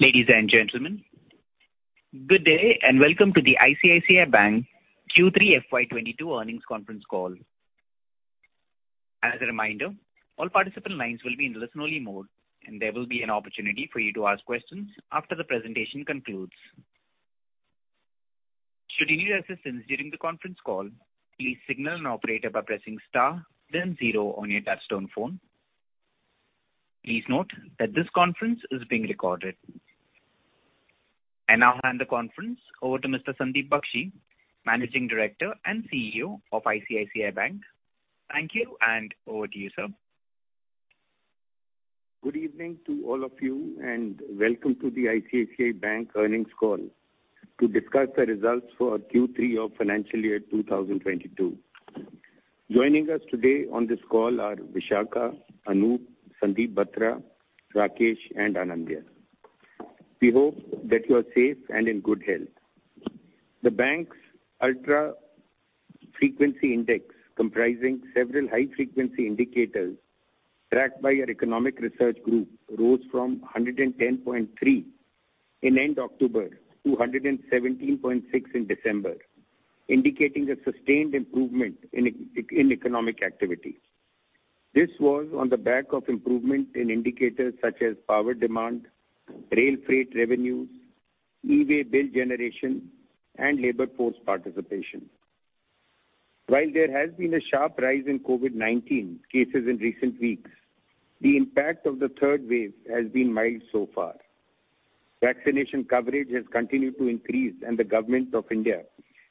Ladies and gentlemen, good day, and welcome to the ICICI Bank Q3 FY22 earnings conference call. As a reminder, all participant lines will be in a listen-only mode, and there will be an opportunity for you to ask questions after the presentation concludes. Should you need assistance during the conference call, please signal an operator by pressing star then zero on your touchtone phone. Please note that this conference is being recorded. I now hand the conference over to Mr. Sandeep Bakhshi, Managing Director and CEO of ICICI Bank. Thank you, and over to you, sir. Good evening to all of you, and welcome to the ICICI Bank earnings call to discuss the results for Q3 of financial year 2022. Joining us today on this call are Vishakha, Anup, Sandeep Batra, Rakesh, and Anindya. We hope that you are safe and in good health. The bank's ultra-frequency index, comprising several high-frequency indicators tracked by our economic research group, rose from 110.3 in end October to 117.6 in December, indicating a sustained improvement in economic activity. This was on the back of improvement in indicators such as power demand, rail freight revenues, e-way bill generation, and labor force participation. While there has been a sharp rise in COVID-19 cases in recent weeks, the impact of the third wave has been mild so far. Vaccination coverage has continued to increase, and the government of India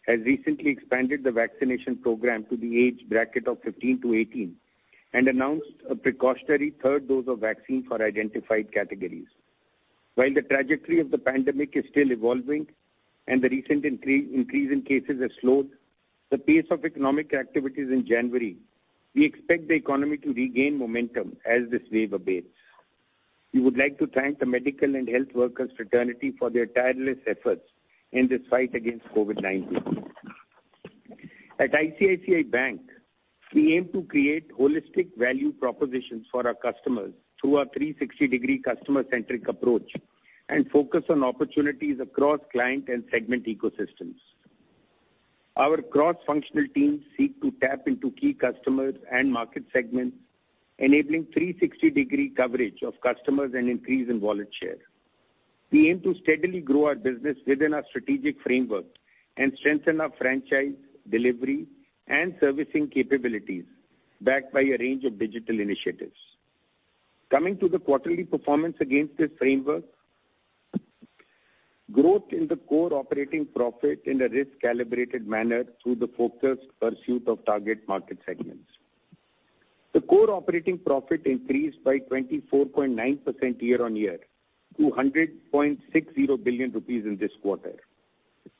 has recently expanded the vaccination program to the age bracket of 15 to 18 and announced a precautionary third dose of vaccine for identified categories. While the trajectory of the pandemic is still evolving and the recent increase in cases has slowed the pace of economic activities in January, we expect the economy to regain momentum as this wave abates. We would like to thank the medical and health workers fraternity for their tireless efforts in this fight against COVID-19. At ICICI Bank, we aim to create holistic value propositions for our customers through our 360-degree customer-centric approach and focus on opportunities across client and segment ecosystems. Our cross-functional teams seek to tap into key customers and market segments, enabling 360-degree coverage of customers and increase in wallet share. We aim to steadily grow our business within our strategic framework and strengthen our franchise, delivery, and servicing capabilities, backed by a range of digital initiatives. Coming to the quarterly performance against this framework, growth in the core operating profit in a risk-calibrated manner through the focused pursuit of target market segments. The core operating profit increased by 24.9% year-on-year to 100.60 billion rupees in this quarter.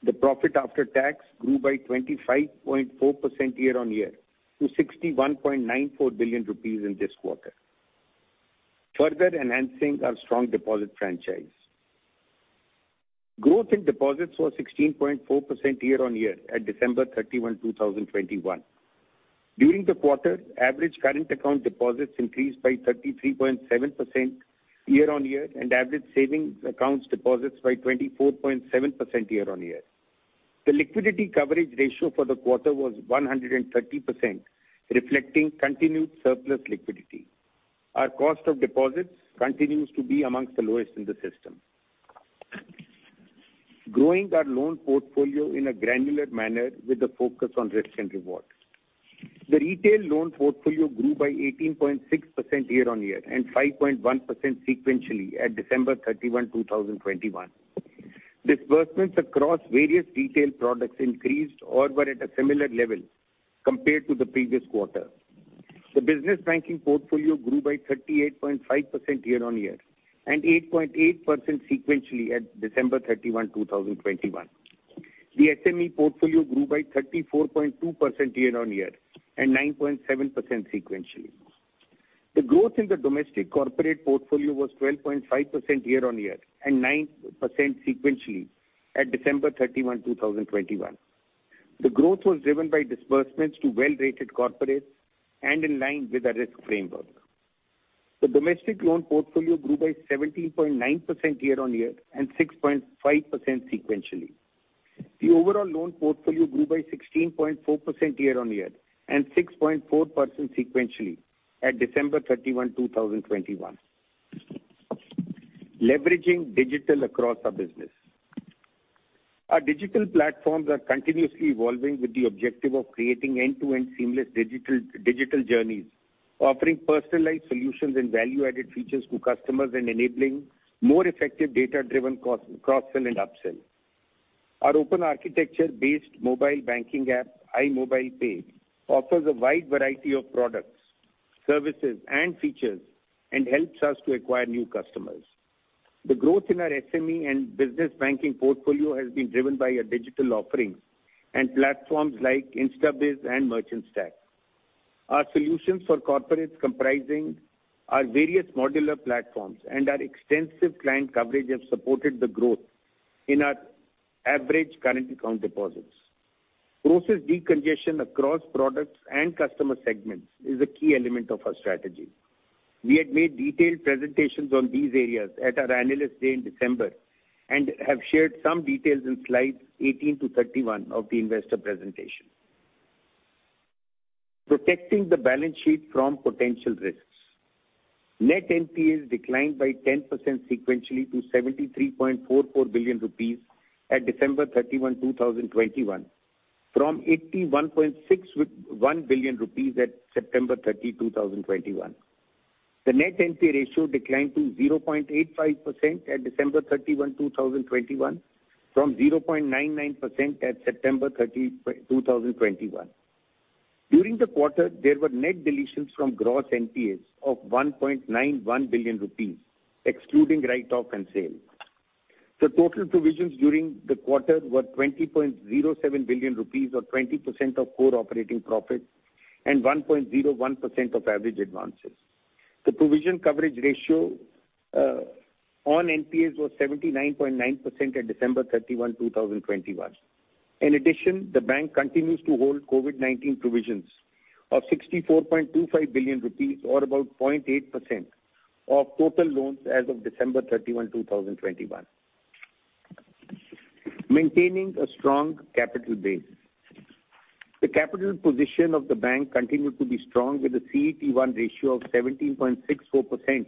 The profit after tax grew by 25.4% year-on-year to 61.94 billion rupees in this quarter, further enhancing our strong deposit franchise. Growth in deposits was 16.4% year-on-year at December 31, 2021. During the quarter, average current account deposits increased by 33.7% year-on-year and average savings accounts deposits by 24.7% year-on-year. The liquidity coverage ratio for the quarter was 130%, reflecting continued surplus liquidity. Our cost of deposits continues to be among the lowest in the system, growing our loan portfolio in a granular manner with a focus on risk and reward. The retail loan portfolio grew by 18.6% year-on-year and 5.1% sequentially at December 31, 2021. Disbursement across various retail products increased or were at a similar level compared to the previous quarter. The business banking portfolio grew by 38.5% year-on-year and 8.8% sequentially at December 31, 2021. The SME portfolio grew by 34.2% year-on-year and 9.7% sequentially. The growth in the domestic corporate portfolio was 12.5% year-on-year and 9% sequentially at December 31, 2021. The growth was driven by disbursements to well-rated corporates and in line with our risk framework. The domestic loan portfolio grew by 17.9% year-on-year and 6.5% sequentially. The overall loan portfolio grew by 16.4% year-on-year and 6.4% sequentially at December 31, 2021. Leveraging digital across our business. Our digital platforms are continuously evolving with the objective of creating end-to-end seamless digital journeys, offering personalized solutions and value-added features to customers and enabling more effective data-driven cross-sell and upsell. Our open architecture-based mobile banking app, iMobile Pay, offers a wide variety of products, services, and features and helps us to acquire new customers. The growth in our SME and business banking portfolio has been driven by our digital offerings and platforms like InstaBIZ and Merchant Stack. Our solutions for corporates comprising our various modular platforms and our extensive client coverage have supported the growth in our average current account deposits. Process decongestion across products and customer segments is a key element of our strategy. We had made detailed presentations on these areas at our analyst day in December, and have shared some details in slide 18-31 of the investor presentation. Protecting the balance sheet from potential risks. Net NPAs declined by 10% sequentially to 73.44 billion rupees at December 31, 2021, from 81.61 billion rupees at September 30, 2021. The net NPA ratio declined to 0.85% at December 31, 2021 from 0.99% at September 30, 2021. During the quarter, there were net deletions from gross NPAs of 1.91 billion rupees excluding write-off and sale. The total provisions during the quarter were 20.07 billion rupees or 20% of core operating profit and 1.01% of average advances. The provision coverage ratio on NPAs was 79.9% at December 31, 2021. In addition, the bank continues to hold COVID-19 provisions of 64.25 billion rupees or about 0.8% of total loans as of December 31, 2021. Maintaining a strong capital base. The capital position of the bank continued to be strong with a CET1 ratio of 17.64%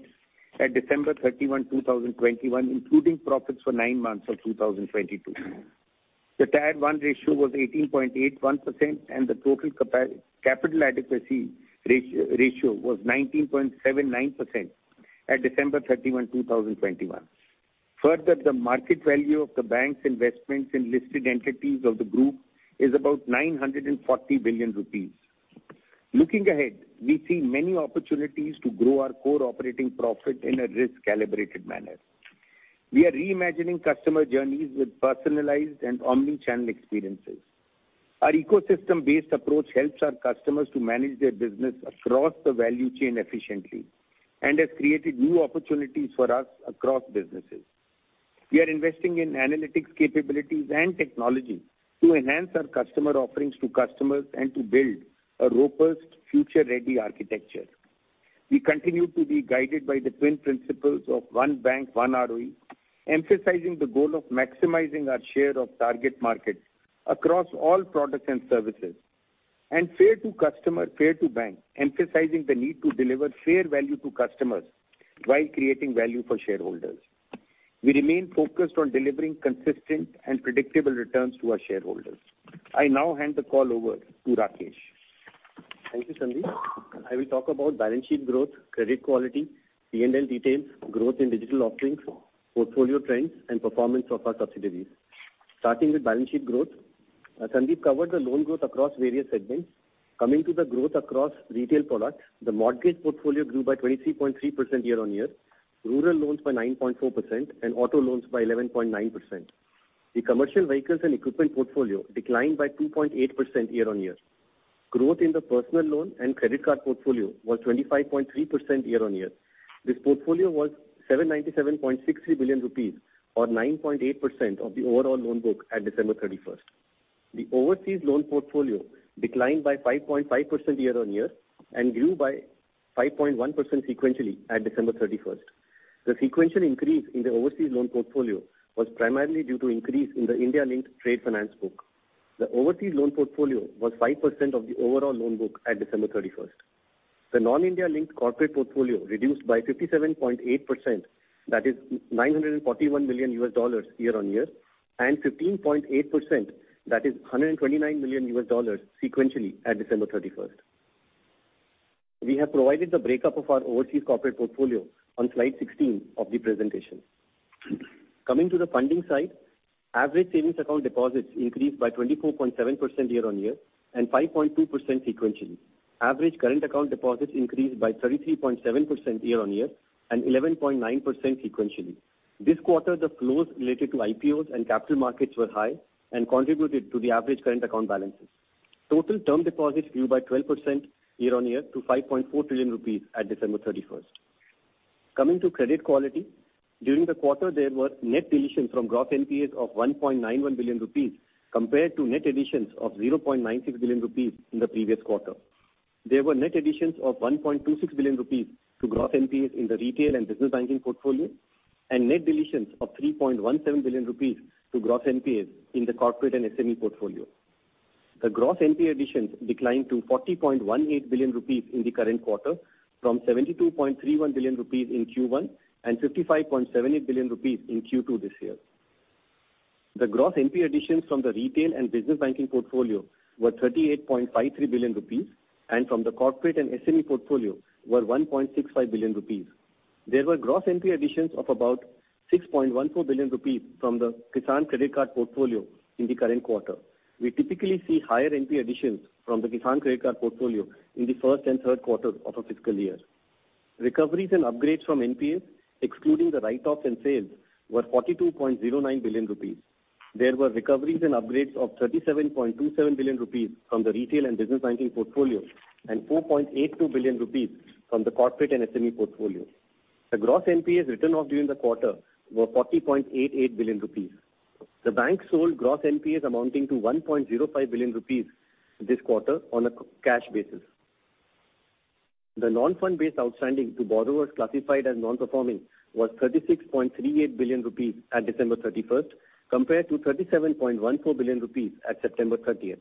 at December 31, 2021, including profits for nine months of 2022. The Tier 1 ratio was 18.81% and the total capital adequacy ratio was 19.79% at December 31, 2021. Further, the market value of the bank's investments in listed entities of the group is about 940 billion rupees. Looking ahead, we see many opportunities to grow our core operating profit in a risk-calibrated manner. We are reimagining customer journeys with personalized and omni-channel experiences. Our ecosystem-based approach helps our customers to manage their business across the value chain efficiently and has created new opportunities for us across businesses. We are investing in analytics capabilities and technology to enhance our customer offerings to customers and to build a robust future-ready architecture. We continue to be guided by the twin principles of one bank, one ROE, emphasizing the goal of maximizing our share of target market across all products and services, and fair to customer, fair to bank, emphasizing the need to deliver fair value to customers while creating value for shareholders. We remain focused on delivering consistent and predictable returns to our shareholders. I now hand the call over to Rakesh. Thank you, Sandeep. I will talk about balance sheet growth, credit quality, P&L details, growth in digital offerings, portfolio trends, and performance of our subsidiaries. Starting with balance sheet growth, Sandeep covered the loan growth across various segments. Coming to the growth across retail products, the mortgage portfolio grew by 23.3% year-on-year, rural loans by 9.4% and auto loans by 11.9%. The commercial vehicles and equipment portfolio declined by 2.8% year-on-year. Growth in the personal loan and credit card portfolio was 25.3% year-on-year. This portfolio was 797.63 billion rupees or 9.8% of the overall loan book at December 31. The overseas loan portfolio declined by 5.5% year-on-year and grew by 5.1% sequentially at December 31. The sequential increase in the overseas loan portfolio was primarily due to increase in the India-linked trade finance book. The overseas loan portfolio was 5% of the overall loan book at December 31. The non-India-linked corporate portfolio reduced by 57.8%, that is, $941 million year-on-year, and 15.8%, that is, $129 million sequentially at December 31. We have provided the breakup of our overseas corporate portfolio on slide 16 of the presentation. Coming to the funding side, average savings account deposits increased by 24.7% year-on-year and 5.2% sequentially. Average current account deposits increased by 33.7% year-on-year and 11.9% sequentially. This quarter, the flows related to IPOs and capital markets were high and contributed to the average current account balances. Total term deposits grew by 12% year-on-year to 5.4 trillion rupees at December 31. Coming to credit quality, during the quarter, there were net deletions from gross NPAs of 1.91 billion rupees compared to net additions of 0.96 billion rupees in the previous quarter. There were net additions of 1.26 billion rupees to gross NPAs in the retail and business banking portfolio, and net deletions of 3.17 billion rupees to gross NPAs in the corporate and SME portfolio. The gross NPA additions declined to 40.18 billion rupees in the current quarter from 72.31 billion rupees in Q1 and 55.78 billion rupees in Q2 this year. The gross NPA additions from the retail and business banking portfolio were 38.53 billion rupees, and from the corporate and SME portfolio were 1.65 billion rupees. There were gross NPA additions of about 6.14 billion rupees from the Kisan Credit Card portfolio in the current quarter. We typically see higher NPA additions from the Kisan Credit Card portfolio in the first and third quarters of a fiscal year. Recoveries and upgrades from NPAs, excluding the write-offs and sales, were 42.09 billion rupees. There were recoveries and upgrades of 37.27 billion rupees from the retail and business banking portfolio and 4.82 billion rupees from the corporate and SME portfolio. The gross NPAs written off during the quarter were 40.88 billion rupees. The bank sold gross NPAs amounting to 1.05 billion rupees this quarter on a cash basis. The non-fund based outstanding to borrowers classified as non-performing was 36.38 billion rupees at December 31st, compared to 37.14 billion rupees at September 30th.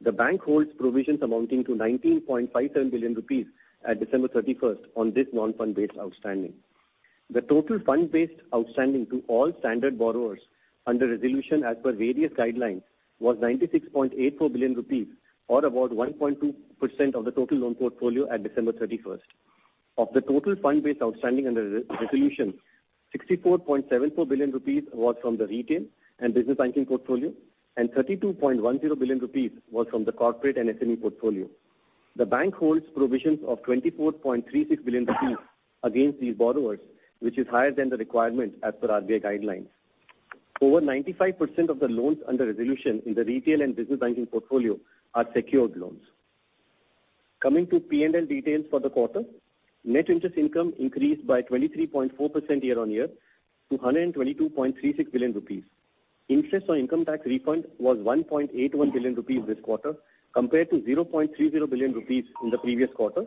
The bank holds provisions amounting to 19.57 billion rupees at December 31st on this non-fund based outstanding. The total fund-based outstanding to all standard borrowers under resolution as per various guidelines was 96.84 billion rupees or about 1.2% of the total loan portfolio at December 31st. Of the total fund-based outstanding under re-resolution, 64.74 billion rupees was from the retail and business banking portfolio and 32.10 billion rupees was from the corporate and SME portfolio. The bank holds provisions of 24.36 billion rupees against these borrowers, which is higher than the requirement as per RBI guidelines. Over 95% of the loans under resolution in the retail and business banking portfolio are secured loans. Coming to P&L details for the quarter. Net interest income increased by 23.4% year-on-year to 122.36 billion rupees. Interest on income tax refund was 1.81 billion rupees this quarter, compared to 0.30 billion rupees in the previous quarter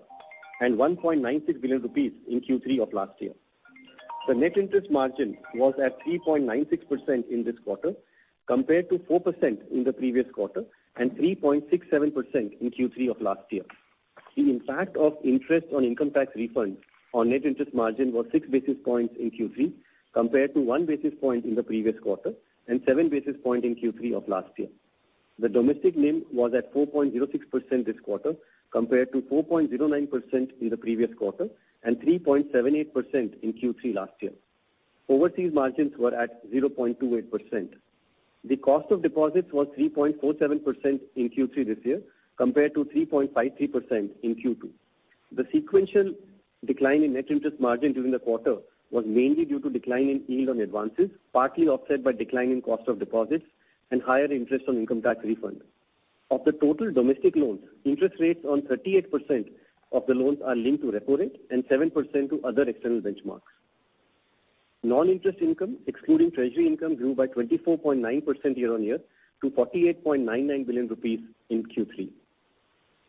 and 1.96 billion rupees in Q3 of last year. The net interest margin was at 3.96% in this quarter, compared to 4% in the previous quarter and 3.67% in Q3 of last year. The impact of interest on income tax refunds on net interest margin was 6 basis points in Q3, compared to 1 basis point in the previous quarter and 7 basis points in Q3 of last year. The domestic NIM was at 4.06% this quarter, compared to 4.09% in the previous quarter and 3.78% in Q3 last year. Overseas margins were at 0.28%. The cost of deposits was 3.47% in Q3 this year, compared to 3.53% in Q2. The sequential decline in net interest margin during the quarter was mainly due to decline in yield on advances, partly offset by decline in cost of deposits and higher interest on income tax refund. Of the total domestic loans, interest rates on 38% of the loans are linked to repo rate and 7% to other external benchmarks. Non-interest income, excluding treasury income, grew by 24.9% year-on-year to 48.99 billion rupees in Q3.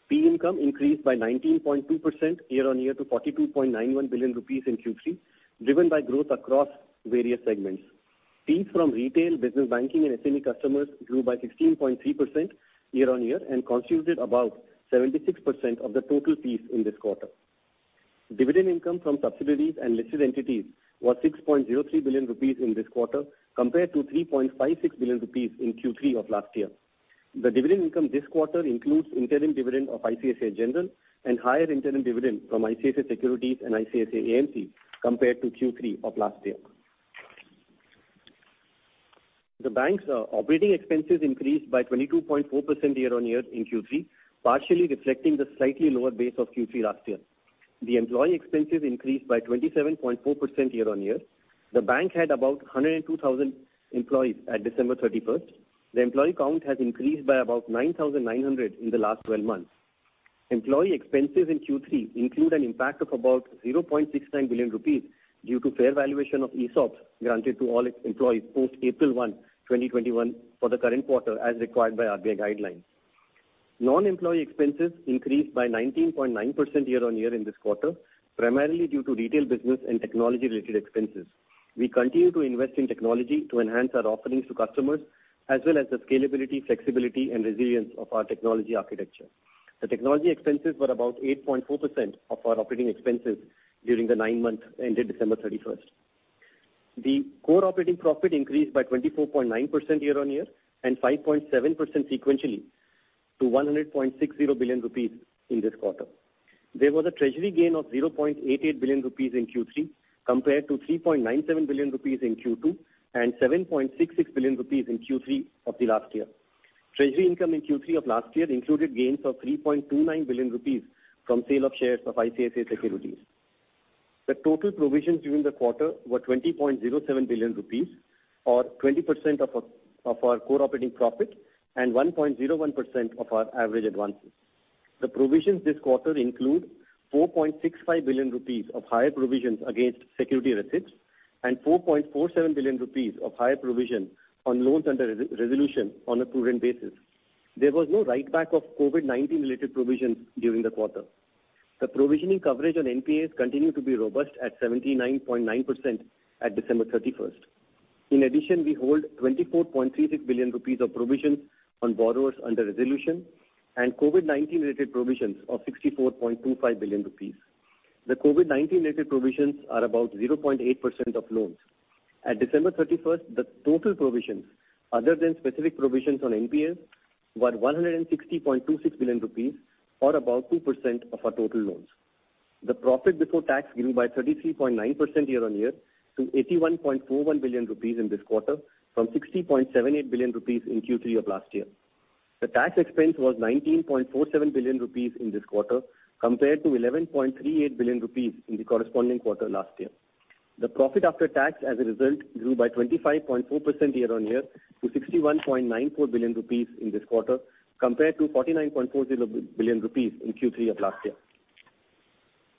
Fee income increased by 19.2% year-on-year to 42.91 billion rupees in Q3, driven by growth across various segments. Fees from retail, business banking and SME customers grew by 16.3% year-on-year and constituted about 76% of the total fees in this quarter. Dividend income from subsidiaries and listed entities was 6.03 billion rupees in this quarter, compared to 3.56 billion rupees in Q3 of last year. The dividend income this quarter includes interim dividend of ICICI General and higher interim dividend from ICICI Securities and ICICI AMC compared to Q3 of last year. The bank's operating expenses increased by 22.4% year-over-year in Q3, partially reflecting the slightly lower base of Q3 last year. The employee expenses increased by 27.4% year-over-year. The bank had about 102,000 employees at December 31. The employee count has increased by about 9,900 in the last twelve months. Employee expenses in Q3 include an impact of about 0.69 billion rupees due to fair valuation of ESOPs granted to all its employees post April 1, 2021 for the current quarter, as required by RBI guidelines. Non-employee expenses increased by 19.9% year-over-year in this quarter, primarily due to retail business and technology-related expenses. We continue to invest in technology to enhance our offerings to customers, as well as the scalability, flexibility and resilience of our technology architecture. The technology expenses were about 8.4% of our operating expenses during the nine months ended December 31. The core operating profit increased by 24.9% year-over-year and 5.7% sequentially to 100.60 billion rupees in this quarter. There was a treasury gain of 0.88 billion rupees in Q3, compared to 3.97 billion rupees in Q2 and 7.66 billion rupees in Q3 of the last year. Treasury income in Q3 of last year included gains of 3.29 billion rupees from sale of shares of ICICI Securities. The total provisions during the quarter were 20.07 billion rupees or 20% of our core operating profit and 1.01% of our average advances. The provisions this quarter include 4.65 billion rupees of higher provisions against security receipts and 4.47 billion rupees of higher provision on loans under re-resolution on a prudent basis. There was no write-back of COVID-19 related provisions during the quarter. The provisioning coverage on NPAs continued to be robust at 79.9% at December 31st. In addition, we hold 24.36 billion rupees of provisions on borrowers under resolution and COVID-19 related provisions of 64.25 billion rupees. The COVID-19 related provisions are about 0.8% of loans. At December 31st, the total provisions other than specific provisions on NPAs were 160.26 billion rupees or about 2% of our total loans. The profit before tax grew by 33.9% year-on-year to 81.41 billion rupees in this quarter from 60.78 billion rupees in Q3 of last year. The tax expense was 19.47 billion rupees in this quarter, compared to 11.38 billion rupees in the corresponding quarter last year. The profit after tax as a result grew by 25.4% year-on-year to 61.94 billion rupees in this quarter compared to 49.40 billion rupees in Q3 of last year.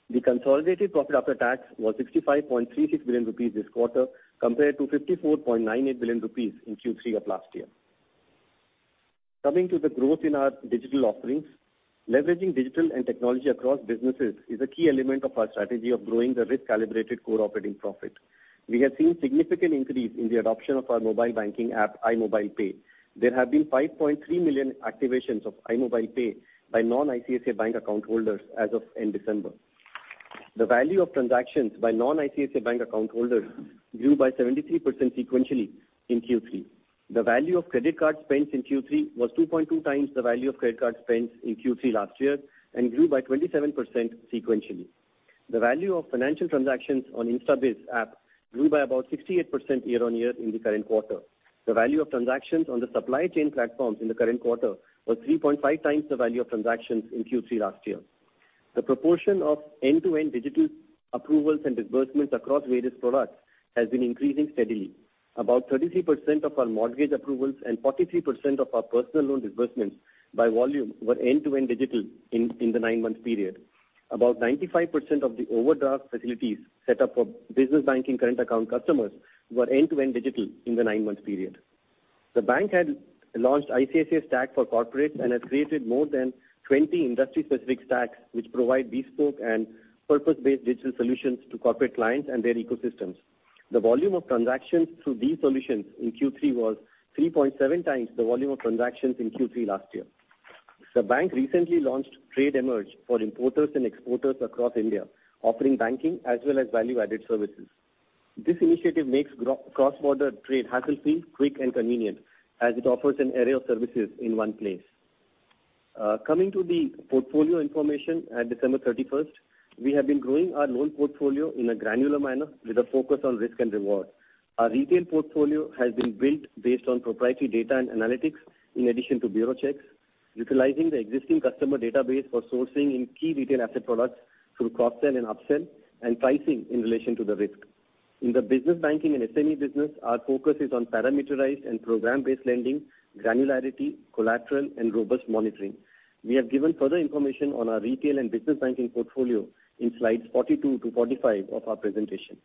The consolidated profit after tax was 65.36 billion rupees this quarter compared to 54.98 billion rupees in Q3 of last year. Coming to the growth in our digital offerings, leveraging digital and technology across businesses is a key element of our strategy of growing the risk-calibrated core operating profit. We have seen significant increase in the adoption of our mobile banking app, iMobile Pay. There have been 5.3 million activations of iMobile Pay by non-ICICI Bank account holders as of end December. The value of transactions by non-ICICI Bank account holders grew by 73% sequentially in Q3. The value of credit card spends in Q3 was 2.2 times the value of credit card spends in Q3 last year and grew by 27% sequentially. The value of financial transactions on InstaBIZ app grew by about 68% year-on-year in the current quarter. The value of transactions on the supply chain platforms in the current quarter was 3.5 times the value of transactions in Q3 last year. The proportion of end-to-end digital approvals and disbursements across various products has been increasing steadily. About 33% of our mortgage approvals and 43% of our personal loan disbursements by volume were end-to-end digital in the nine-month period. About 95% of the overdraft facilities set up for business banking current account customers were end-to-end digital in the nine-month period. The bank had launched ICICI STACK for corporates and has created more than 20 industry-specific stacks which provide bespoke and purpose-based digital solutions to corporate clients and their ecosystems. The volume of transactions through these solutions in Q3 was 3.7 times the volume of transactions in Q3 last year. The bank recently launched Trade Emerge for importers and exporters across India, offering banking as well as value-added services. This initiative makes cross-border trade hassle-free, quick and convenient as it offers an array of services in one place. Coming to the portfolio information at December 31, we have been growing our loan portfolio in a granular manner with a focus on risk and reward. Our retail portfolio has been built based on proprietary data and analytics in addition to bureau checks, utilizing the existing customer database for sourcing in key retail asset products through cross-sell and up-sell, and pricing in relation to the risk. In the business banking and SME business, our focus is on parameterized and program-based lending, granularity, collateral and robust monitoring. We have given further information on our retail and business banking portfolio in slides 42 to 45 of our presentation.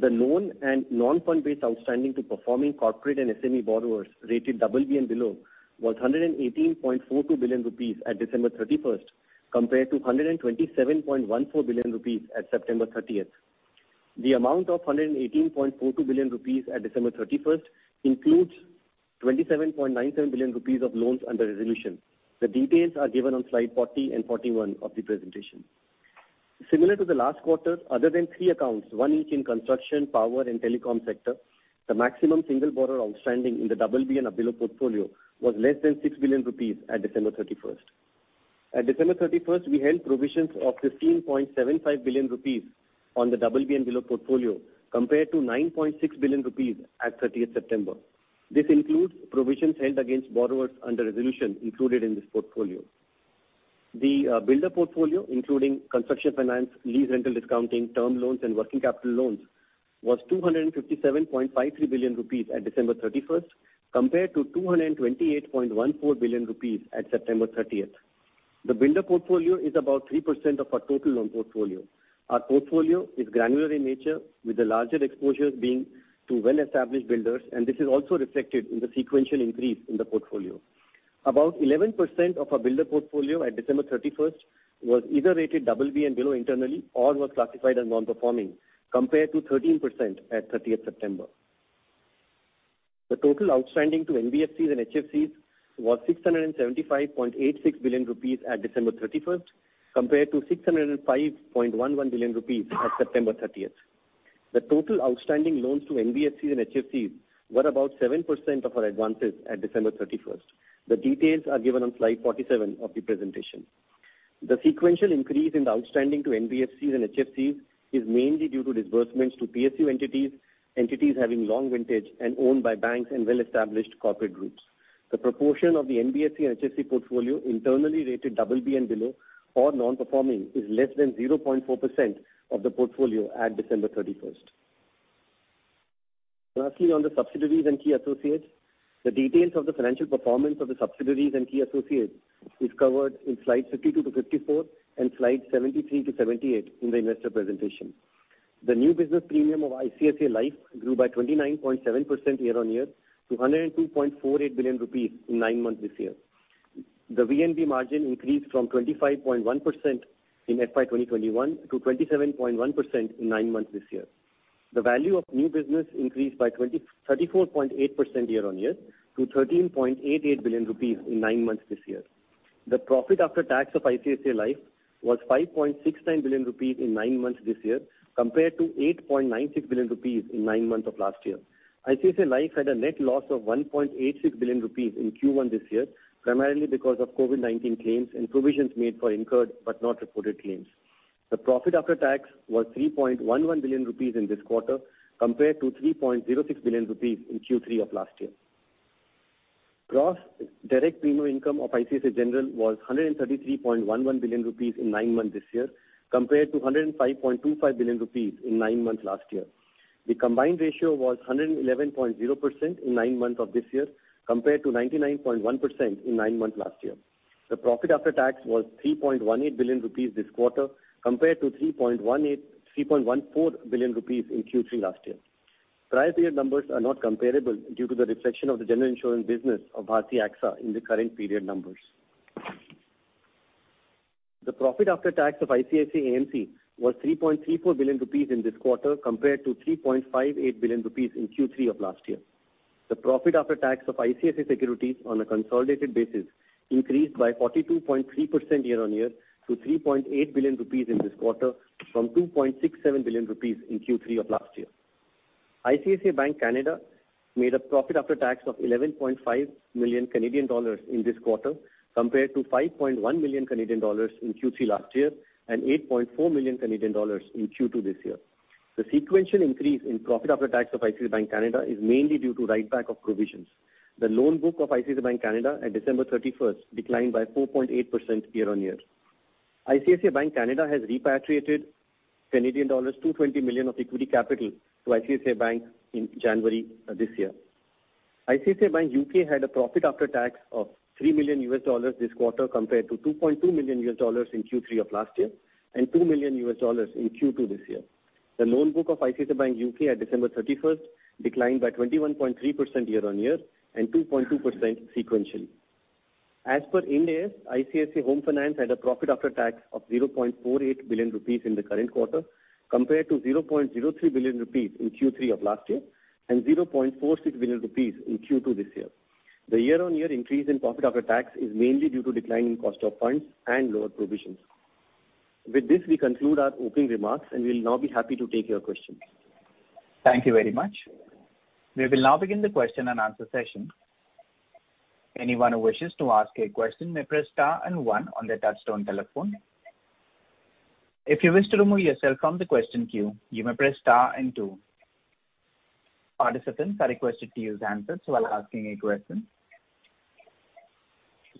The loan and non-fund based outstanding to performing corporate and SME borrowers rated BB and below was 118.42 billion rupees at December 31, compared to 127.14 billion rupees at September 30. The amount of 118.42 billion rupees at December 31 includes 27.97 billion rupees of loans under resolution. The details are given on slide 40 and 41 of the presentation. Similar to the last quarter, other than three accounts, one each in construction, power and telecom sector, the maximum single borrower outstanding in the BB and above portfolio was less than 6 billion rupees at December 31. At December 31, we held provisions of 15.75 billion rupees on the BB and below portfolio, compared to 9.6 billion rupees at September 30. This includes provisions held against borrowers under resolution included in this portfolio. The builder portfolio, including construction finance, lease rental discounting, term loans and working capital loans, was 257.53 billion rupees at December 31, compared to 228.14 billion rupees at September 30. The builder portfolio is about 3% of our total loan portfolio. Our portfolio is granular in nature, with the larger exposures being to well-established builders, and this is also reflected in the sequential increase in the portfolio. About 11% of our builder portfolio at December 31 was either rated BB and below internally or was classified as non-performing, compared to 13% at September 30. The total outstanding to NBFCs and HFCs was 675.86 billion rupees at December 31, compared to 605.11 billion rupees at September 30. The total outstanding loans to NBFCs and HFCs were about 7% of our advances at December thirty-first. The details are given on slide 47 of the presentation. The sequential increase in the outstanding to NBFCs and HFCs is mainly due to disbursements to PSU entities having long vintage and owned by banks and well-established corporate groups. The proportion of the NBFC and HFC portfolio internally rated BB and below or non-performing is less than 0.4% of the portfolio at December thirty-first. Lastly, on the subsidiaries and key associates, the details of the financial performance of the subsidiaries and key associates is covered in slide 52-54 and slide 73-78 in the investor presentation. The new business premium of ICICI Life grew by 29.7% year-on-year to 102.48 billion rupees in nine months this year. The VNB margin increased from 25.1% in FY 2021 to 27.1% in nine months this year. The value of new business increased by thirty-four point eight percent year-on-year to 13.88 billion rupees in nine months this year. The profit after tax of ICICI Life was 5.69 billion rupees in nine months this year compared to 8.96 billion rupees in nine months of last year. ICICI Life had a net loss of 1.86 billion rupees in Q1 this year, primarily because of COVID-19 claims and provisions made for incurred but not reported claims. The profit after tax was 3.11 billion rupees in this quarter compared to 3.06 billion rupees in Q3 of last year. Gross direct premium income of ICICI General was 133.11 billion rupees in nine months this year, compared to 105.25 billion rupees in nine months last year. The combined ratio was 111.0% in nine months of this year, compared to 99.1% in nine months last year. The profit after tax was 3.18 billion rupees this quarter, compared to 3.14 billion rupees in Q3 last year. Prior period numbers are not comparable due to the reflection of the general insurance business of Bharti AXA in the current period numbers. The profit after tax of ICICI AMC was 3.34 billion rupees in this quarter, compared to 3.58 billion rupees in Q3 of last year. The profit after tax of ICICI Securities on a consolidated basis increased by 42.3% year-on-year to 3.8 billion rupees in this quarter from 2.67 billion rupees in Q3 of last year. ICICI Bank Canada made a profit after tax of 11.5 million Canadian dollars in this quarter, compared to 5.1 million Canadian dollars in Q3 last year, and 8.4 million Canadian dollars in Q2 this year. The sequential increase in profit after tax of ICICI Bank Canada is mainly due to write back of provisions. The loan book of ICICI Bank Canada at December thirty-first declined by 4.8% year-on-year. ICICI Bank Canada has repatriated Canadian dollars 220 million of equity capital to ICICI Bank in January this year. ICICI Bank UK had a profit after tax of $3 million this quarter, compared to $2.2 million in Q3 of last year, and $2 million in Q2 this year. The loan book of ICICI Bank UK at December 31 declined by 21.3% year-on-year and 2.2% sequentially. As per Ind AS, ICICI Home Finance had a profit after tax of 0.48 billion rupees in the current quarter, compared to 0.03 billion rupees in Q3 of last year and 0.46 billion rupees in Q2 this year. The year-on-year increase in profit after tax is mainly due to decline in cost of funds and lower provisions. With this, we conclude our opening remarks, and we'll now be happy to take your questions. Thank you very much. We will now begin the question and answer session. Anyone who wishes to ask a question may press star and one on their touchtone telephone. If you wish to remove yourself from the question queue, you may press star and two. Participants are requested to use answers while asking a question.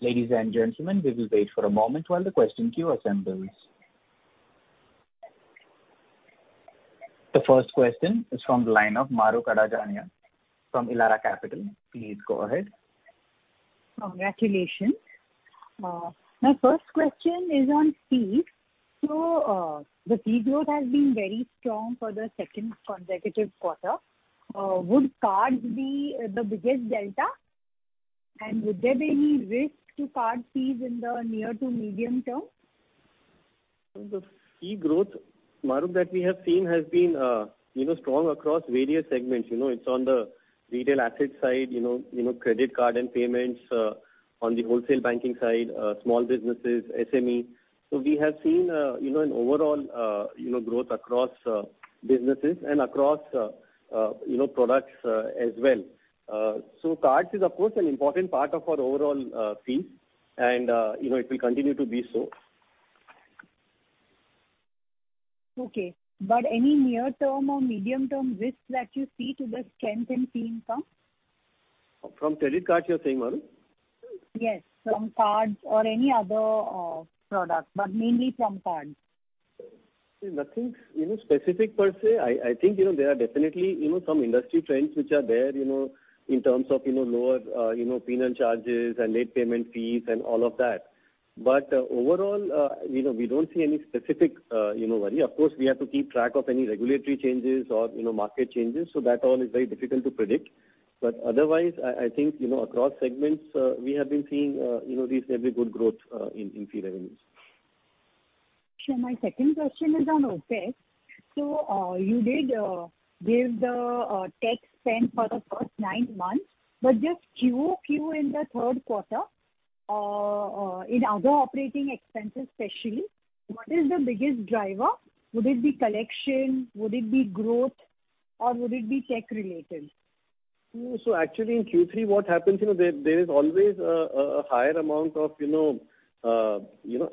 Ladies and gentlemen, we will wait for a moment while the question queue assembles. The first question is from the line of Mahrukh Adajania from Elara Capital. Please go ahead. Congratulations. My first question is on fees. The fee growth has been very strong for the second consecutive quarter. Would cards be the biggest delta? Would there be any risk to card fees in the near to medium term? The fee growth, Mahrukh, that we have seen has been, you know, strong across various segments. You know, it's on the retail asset side, you know, credit card and payments, on the wholesale banking side, small businesses, SME. We have seen, you know, an overall, you know, growth across businesses and across, you know, products, as well. Cards is of course an important part of our overall fees and, you know, it will continue to be so. Okay. Any near-term or medium-term risks that you see to the strength in fee income? From credit cards, you're saying, Maru? Yes, from cards or any other product, but mainly from cards. Nothing, you know, specific per se. I think, you know, there are definitely, you know, some industry trends which are there, you know, in terms of, you know, lower, you know, penal charges and late payment fees and all of that. Overall, you know, we don't see any specific, you know, worry. Of course, we have to keep track of any regulatory changes or, you know, market changes, so that all is very difficult to predict. Otherwise, I think, you know, across segments, we have been seeing, you know, reasonably good growth, in fee revenues. Sure. My second question is on OpEx. You did give the tech spend for the first nine months. Just QOQ in the third quarter, in other operating expenses especially, what is the biggest driver? Would it be collection? Would it be growth, or would it be tech-related? Actually, in Q3, what happens, you know, there is always a higher amount of, you know,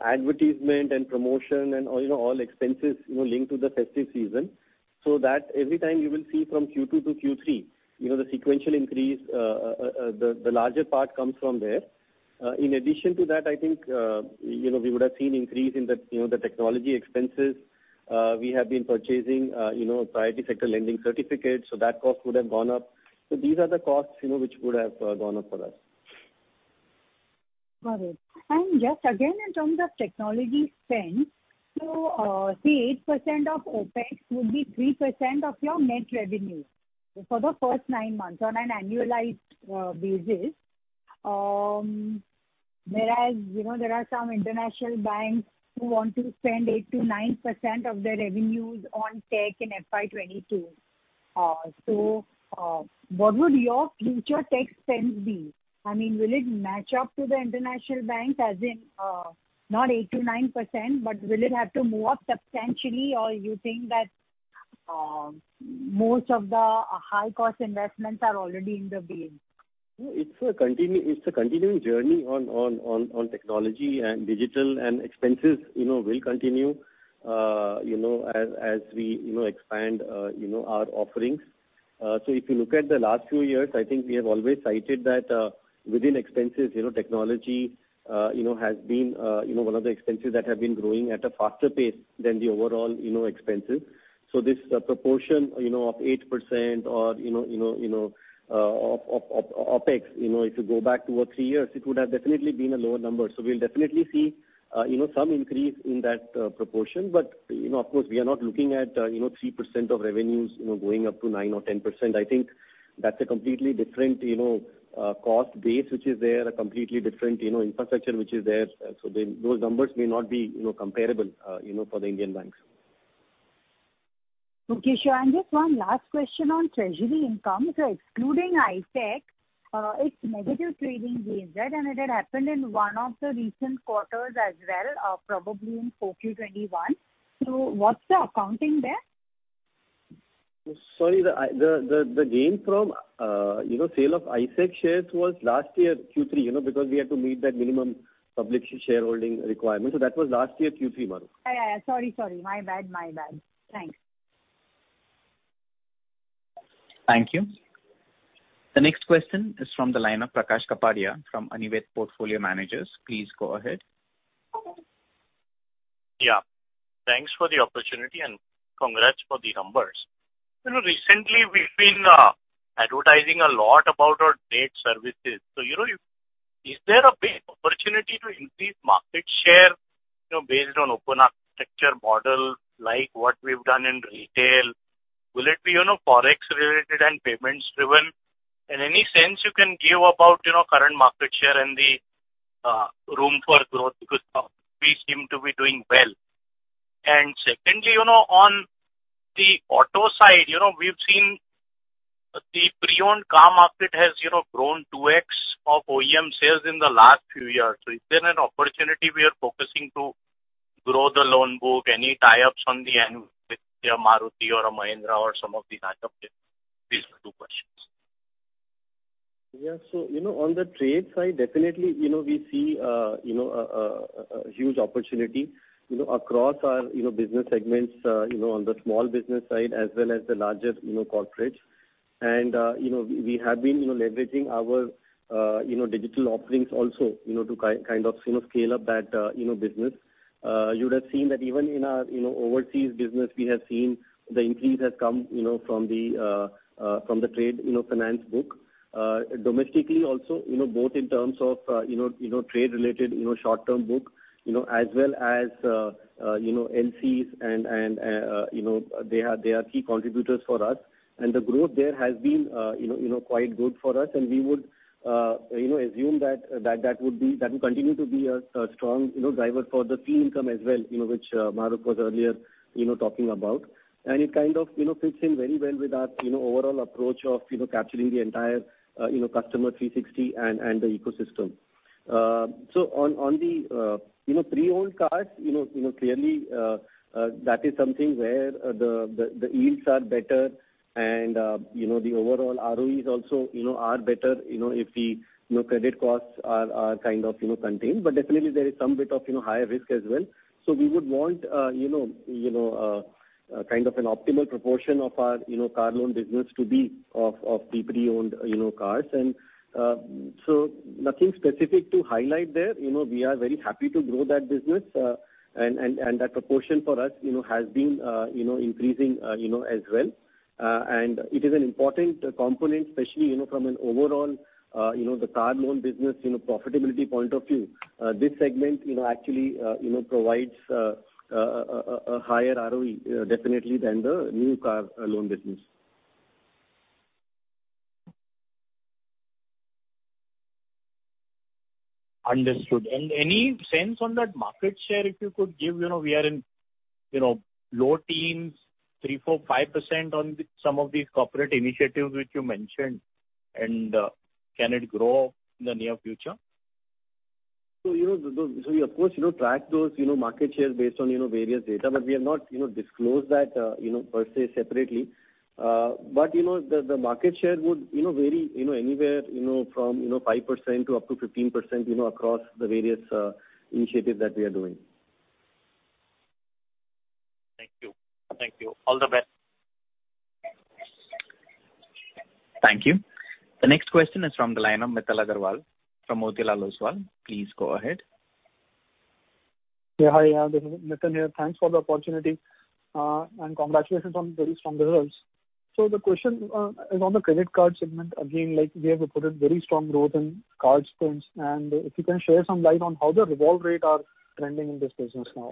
advertisement and promotion and, you know, all expenses, you know, linked to the festive season. That every time you will see from Q2 to Q3, you know, the sequential increase, the larger part comes from there. In addition to that, I think, you know, we would have seen increase in the, you know, the technology expenses. We have been purchasing, you know, priority sector lending certificates, so that cost would have gone up. These are the costs, you know, which would have gone up for us. Got it. Just again, in terms of technology spend, say 8% of OpEx would be 3% of your net revenue for the first 9 months on an annualized basis. Whereas, you know, there are some international banks who want to spend 8%-9% of their revenues on tech in FY 2022. What would your future tech spend be? I mean, will it match up to the international banks, as in, not 8%-9%, but will it have to move up substantially? Or you think that most of the high-cost investments are already in the base? It's a continuing journey on technology and digital and expenses, you know, will continue, you know, as we, you know, expand, you know, our offerings. If you look at the last few years, I think we have always cited that, within expenses, you know, technology, you know, has been, you know, one of the expenses that have been growing at a faster pace than the overall, you know, expenses. This proportion, you know, of 8% or, you know, of OpEx, you know, if you go back two or three years, it would have definitely been a lower number. We'll definitely see, you know, some increase in that proportion. You know, of course, we are not looking at, you know, 3% of revenues, you know, going up to 9% or 10%. I think that's a completely different, you know, cost base, which is there, a completely different, you know, infrastructure which is there. Those numbers may not be, you know, comparable, you know, for the Indian banks. Okay, sure. Just one last question on treasury income. Excluding ISEC, it's negative trading gains, right? It had happened in one of the recent quarters as well, probably in 4Q21. What's the accounting there? Sorry, the gain from, you know, sale of ISEC shares was last year Q3, you know, because we had to meet that minimum public shareholding requirement. That was last year Q3, Maru. Yeah. Sorry. My bad. Thanks. Thank you. The next question is from the line of Prakash Kapadia from Anived Portfolio Managers. Please go ahead. Yeah. Thanks for the opportunity and congrats for the numbers. You know, recently we've been advertising a lot about our trade services. You know, is there a big opportunity to increase market share, you know, based on open architecture model like what we've done in retail? Will it be, you know, Forex related and payments driven? In any sense you can give about, you know, current market share and the room for growth because we seem to be doing well. Secondly, you know, on the auto side, you know, we've seen the pre-owned car market has, you know, grown 2x of OEM sales in the last few years. Is there an opportunity we are focusing to grow the loan book? Any tie-ups on the anvil with a Maruti or a Mahindra or some of these types of things? These are two questions. Yeah. You know, on the trade side, definitely, you know, we see a huge opportunity, you know, across our business segments, you know, on the small business side as well as the larger corporates. You know, we have been leveraging our digital offerings also, you know, to kind of scale up that business. You would have seen that even in our overseas business, we have seen the increase has come, you know, from the trade finance book. Domestically also, you know, both in terms of, you know, trade related, you know, short-term book, you know, as well as, you know, NCs and, you know, they are key contributors for us. The growth there has been, you know, quite good for us, and we would, you know, assume that that would be that will continue to be a strong, you know, driver for the fee income as well, you know, which Maru was earlier, you know, talking about. It kind of, you know, fits in very well with our, you know, overall approach of, you know, capturing the entire, you know, customer 360 and the ecosystem. On the pre-owned cars, you know, clearly that is something where the yields are better and you know the overall ROEs also you know are better you know if the credit costs are kind of you know contained. Definitely there is some bit of you know higher risk as well. We would want you know kind of an optimal proportion of our you know car loan business to be of the pre-owned you know cars. Nothing specific to highlight there. You know, we are very happy to grow that business. That proportion for us you know has been you know increasing you know as well. It is an important component, especially, you know, from an overall, you know, the car loan business, you know, profitability point of view. This segment, you know, actually, you know, provides a higher ROE, definitely than the new car loan business. Understood. Any sense on that market share, if you could give, you know, we are in, you know, low teens, 3%, 4%, 5% on the, some of these corporate initiatives which you mentioned. Can it grow in the near future? We of course, you know, track those, you know, market shares based on, you know, various data, but we have not, you know, disclosed that, you know, per se separately. You know, the market share would, you know, vary, you know, anywhere, you know, from, you know, 5% to up to 15%, you know, across the various initiatives that we are doing. Thank you. Thank you. All the best. Thank you. The next question is from the line of Nitin Aggarwal from Motilal Oswal. Please go ahead. Yeah, hi. Yeah, this is Nitin here. Thanks for the opportunity, and congratulations on very strong results. So the question is on the credit card segment. Again, like, we have reported very strong growth in card spends. If you can shed some light on how the revolve rate are trending in this business now.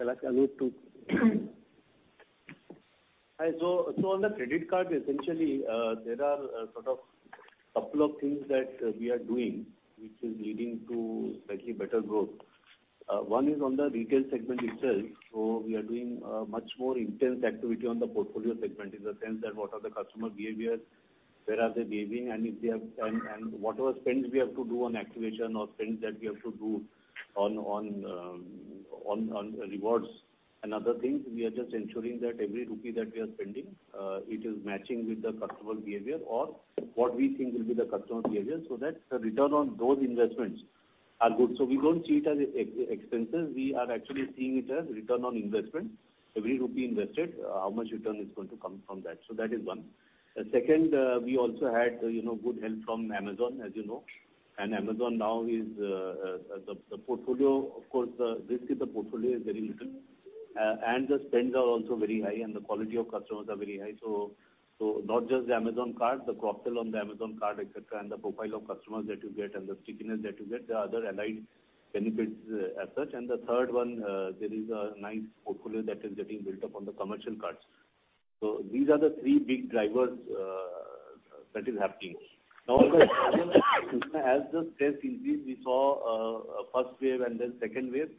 On the credit card, essentially, there are sort of couple of things that we are doing, which is leading to slightly better growth. One is on the retail segment itself. We are doing much more intense activity on the portfolio segment in the sense that what are the customer behaviors, where are they behaving, and what are spends we have to do on activation or spends that we have to do on rewards and other things. We are just ensuring that every rupee that we are spending, it is matching with the customer behavior or what we think will be the customer behavior so that the return on those investments Are good. We don't see it as expenses. We are actually seeing it as return on investment. Every rupee invested, how much return is going to come from that. That is one. The second, we also had, you know, good help from Amazon, as you know, and Amazon now is, the portfolio of course, the risk with the portfolio is very little. And the spends are also very high and the quality of customers are very high. So not just the Amazon card, the co-branded on the Amazon card, et cetera, and the profile of customers that you get and the stickiness that you get, there are other allied benefits, as such. The third one, there is a nice portfolio that is getting built up on the commercial cards. These are the three big drivers that is happening. Now as the stress increased, we saw first wave and then second wave,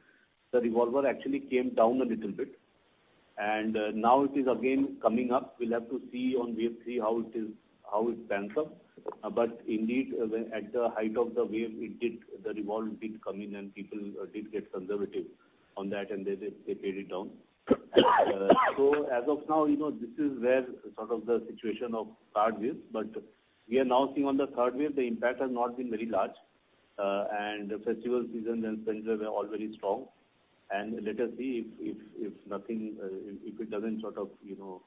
the revolver actually came down a little bit, and now it is again coming up. We'll have to see on wave three how it is, how it stands up. Indeed, at the height of the wave, it did, the revolver did come in and people did get conservative on that and they paid it down. So as of now, you know, this is where sort of the situation of cards is. We are now seeing on the third wave, the impact has not been very large, and festival season and spends were all very strong. Let us see if it doesn't sort of, you know,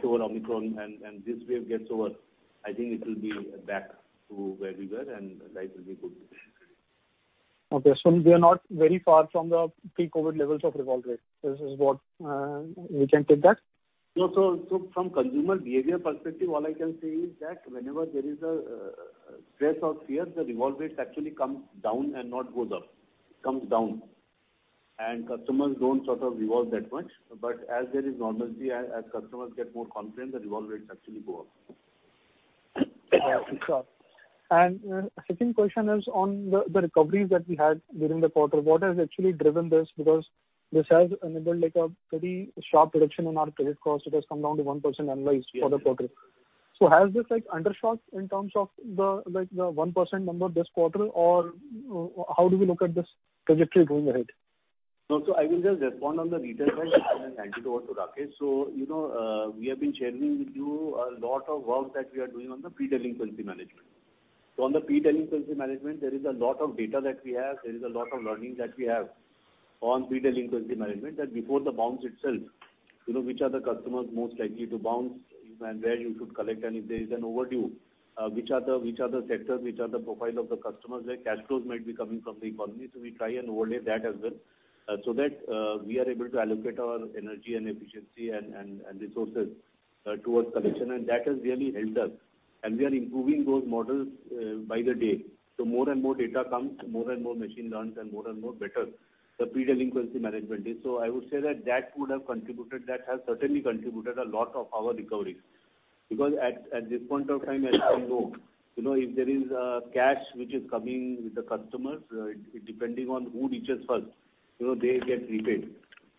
show Omicron and this wave gets over. I think it will be back to where we were and life will be good. Okay. We are not very far from the pre-COVID levels of revolve rate. This is what, we can take that? No. From consumer behavior perspective, all I can say is that whenever there is a stress or fear, the revolve rates actually comes down and not goes up. It comes down. Customers don't sort of revolve that much. As there is normalcy, as customers get more confident, the revolve rates actually go up. Okay. Sure. Second question is on the recoveries that we had during the quarter. What has actually driven this? Because this has enabled like a pretty sharp reduction in our credit cost. It has come down to 1% annualized for the quarter. Yes. Has this like undershot in terms of the, like, the 1% number this quarter? Or how do we look at this trajectory going ahead? No. I will just respond on the retail side and then hand it over to Rakesh. You know, we have been sharing with you a lot of work that we are doing on the pre-delinquency management. On the pre-delinquency management, there is a lot of data that we have. There is a lot of learning that we have on pre-delinquency management that before the bounce itself, you know which are the customers most likely to bounce and where you should collect. If there is an overdue, which are the sectors, which are the profile of the customers where cash flows might be coming from the economy. We try and overlay that as well, so that we are able to allocate our energy and efficiency and resources towards collection. That has really helped us. We are improving those models by the day. More and more data comes, more and more machine learns and more and more better the pre-delinquency management is. I would say that would have contributed, that has certainly contributed a lot of our recovery. Because at this point of time, as we know, you know, if there is cash which is coming with the customers, it depends on who reaches first, you know, they get repaid.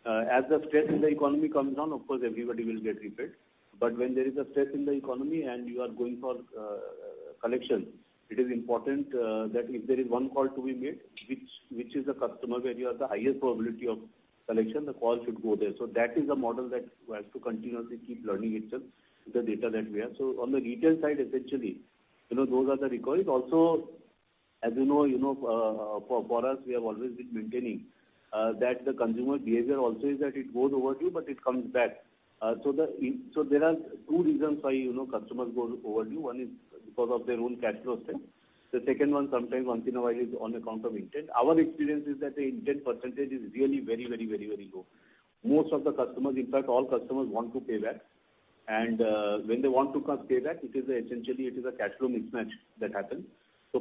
As the stress in the economy comes down, of course everybody will get repaid. But when there is a stress in the economy and you are going for collection, it is important that if there is one call to be made, which is the customer where you have the highest probability of collection, the call should go there. That is a model that has to continuously keep learning itself, the data that we have. On the retail side, essentially, you know, those are the recoveries. Also, as you know, you know, for us, we have always been maintaining that the consumer behavior also is that it goes overdue, but it comes back. There are two reasons why, you know, customers go overdue. One is because of their own cash flow strength. The second one sometimes once in a while is on account of intent. Our experience is that the intent percentage is really very low. Most of the customers, in fact all customers want to pay back. When they want to come pay back, it is essentially a cash flow mismatch that happens.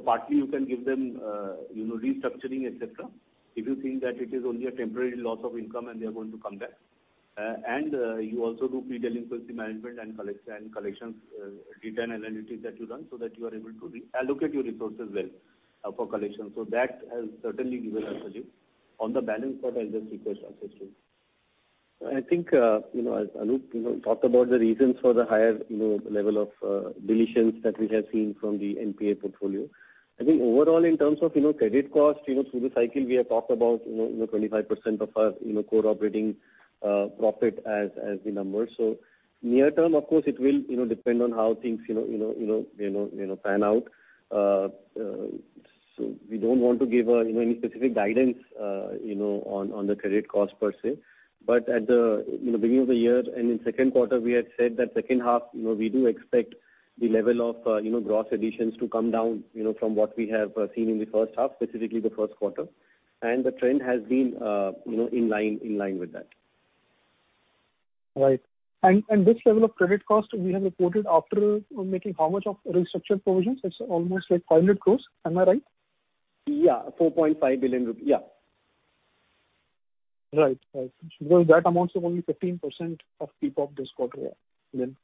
Partly you can give them, you know, restructuring, et cetera, if you think that it is only a temporary loss of income and they are going to come back. You also do pre-delinquency management and collections, data and analytics that you run so that you are able to reallocate your resources well, for collection. That has certainly given us a lift. On the balance part, I'll just request Rakesh to. I think, you know, as Anup talked about the reasons for the higher, you know, level of deletions that we have seen from the NPA portfolio. I think overall in terms of, you know, credit cost, you know, through the cycle, we have talked about, you know, 25% of our, you know, core operating profit as the number. Near term of course it will, you know, depend on how things, you know, pan out. We don't want to give a, you know, any specific guidance, you know, on the credit cost per se. At the, you know, beginning of the year and in second quarter, we had said that second half, you know, we do expect the level of, you know, gross additions to come down, you know, from what we have seen in the first half, specifically the first quarter. The trend has been, you know, in line with that. Right. This level of credit cost we have reported after making how much of restructure provisions? It's almost like 400 crores. Am I right? Yeah. 4.5 billion rupees. Yeah. Right. Because that amounts to only 15% of PPOP this quarter then.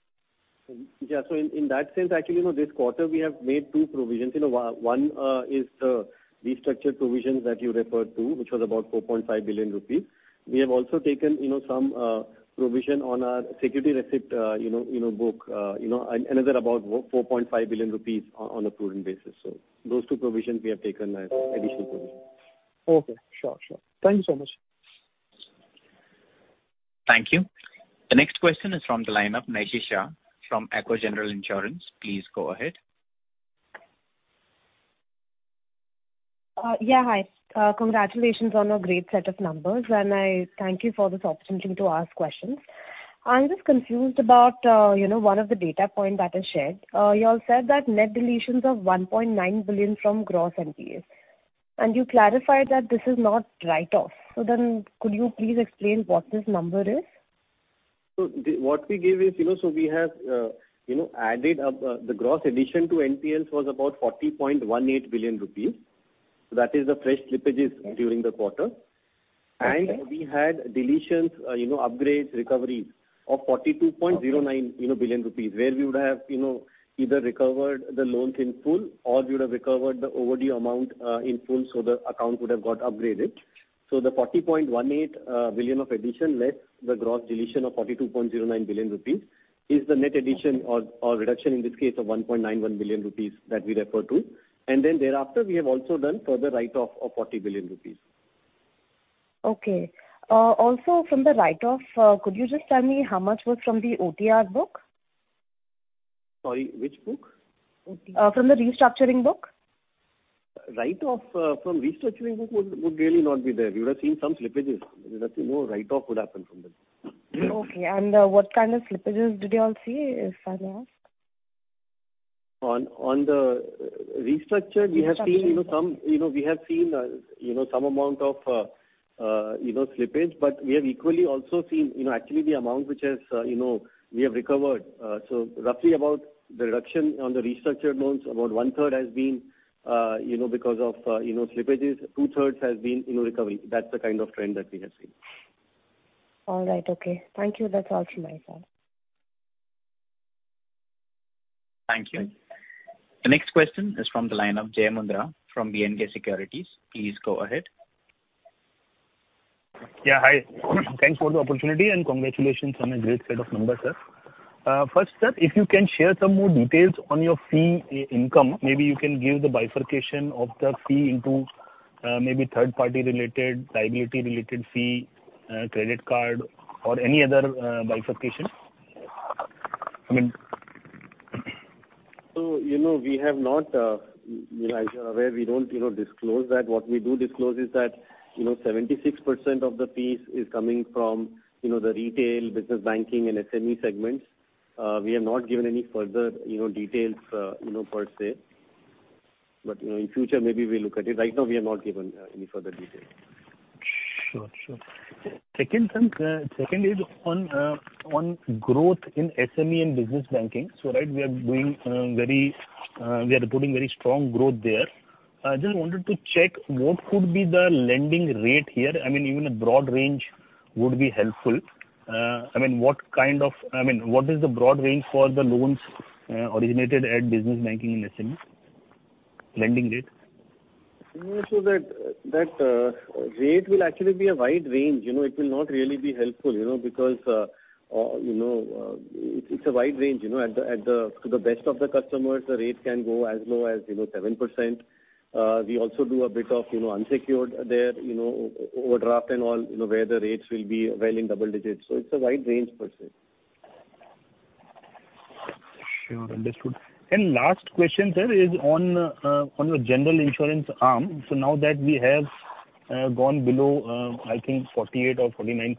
In that sense, actually, you know, this quarter we have made two provisions. You know, one is the restructuring provisions that you referred to, which was about 4.5 billion rupees. We have also taken, you know, some provision on our security receipts, you know, book, you know, another about 4.5 billion rupees on a prudent basis. Those two provisions we have taken as additional provisions. Okay. Sure. Thank you so much. Thank you. The next question is from the line of Nisha Shah from Edelweiss General Insurance. Please go ahead. Yeah, hi. Congratulations on a great set of numbers, and I thank you for this opportunity to ask questions. I'm just confused about, you know, one of the data point that is shared. Y'all said that net deletions of 1.9 billion from gross NPAs. You clarified that this is not write-off. Could you please explain what this number is? What we give is, you know, we have, you know, added up the gross addition to NPLs, which was about 40.18 billion rupees. That is the fresh slippages during the quarter. Okay. We had deletions, upgrades, recoveries of 42.09 billion rupees, where we would have either recovered the loans in full or we would have recovered the overdue amount in full, so the account would have got upgraded. The 40.18 billion of addition less the gross deletion of 42.09 billion rupees is the net addition or reduction in this case of 1.91 billion rupees that we refer to. Thereafter, we have also done further write-off of 40 billion rupees. Okay. Also from the write-off, could you just tell me how much was from the OTR book? Sorry, which book? From the restructuring book. Write-off from restructuring book would really not be there. You would have seen some slippages. No write-off would happen from there. Okay. What kind of slippages did you all see, if I may ask? On, on the, uh, restructure- Restructure. We have seen, you know, some amount of slippage, but we have equally also seen, you know, actually the amount which we have recovered. So roughly about the reduction on the restructured loans, about one third has been because of slippages. Two thirds has been recovery. That's the kind of trend that we have seen. All right. Okay. Thank you. That's all from my side. Thank you. The next question is from the line of Jai Mundhra from B&K Securities. Please go ahead. Yeah, hi. Thanks for the opportunity, and congratulations on a great set of numbers, sir. First, sir, if you can share some more details on your fee income, maybe you can give the bifurcation of the fee into maybe third-party related, liability related fee, credit card or any other bifurcation. I mean... You know, we have not, you know, as you're aware, we don't, you know, disclose that. What we do disclose is that, you know, 76% of the fees is coming from, you know, the retail business banking and SME segments. We have not given any further, you know, details, you know, per se. You know, in future, maybe we'll look at it. Right now, we have not given any further details. Sure. Second, sir, is on growth in SME and business banking. Right, we are reporting very strong growth there. I just wanted to check what could be the lending rate here. I mean, even a broad range would be helpful. I mean, what is the broad range for the loans originated at business banking and SME lending rate. That rate will actually be a wide range. You know, it will not really be helpful, you know, because you know, it's a wide range, you know. To the best of the customers, the rate can go as low as you know 7%. We also do a bit of you know unsecured there you know overdraft and all you know where the rates will be well in double digits. It's a wide range per se. Sure. Understood. Last question, sir, is on your general insurance arm. Now that we have gone below, I think 48% or 49%,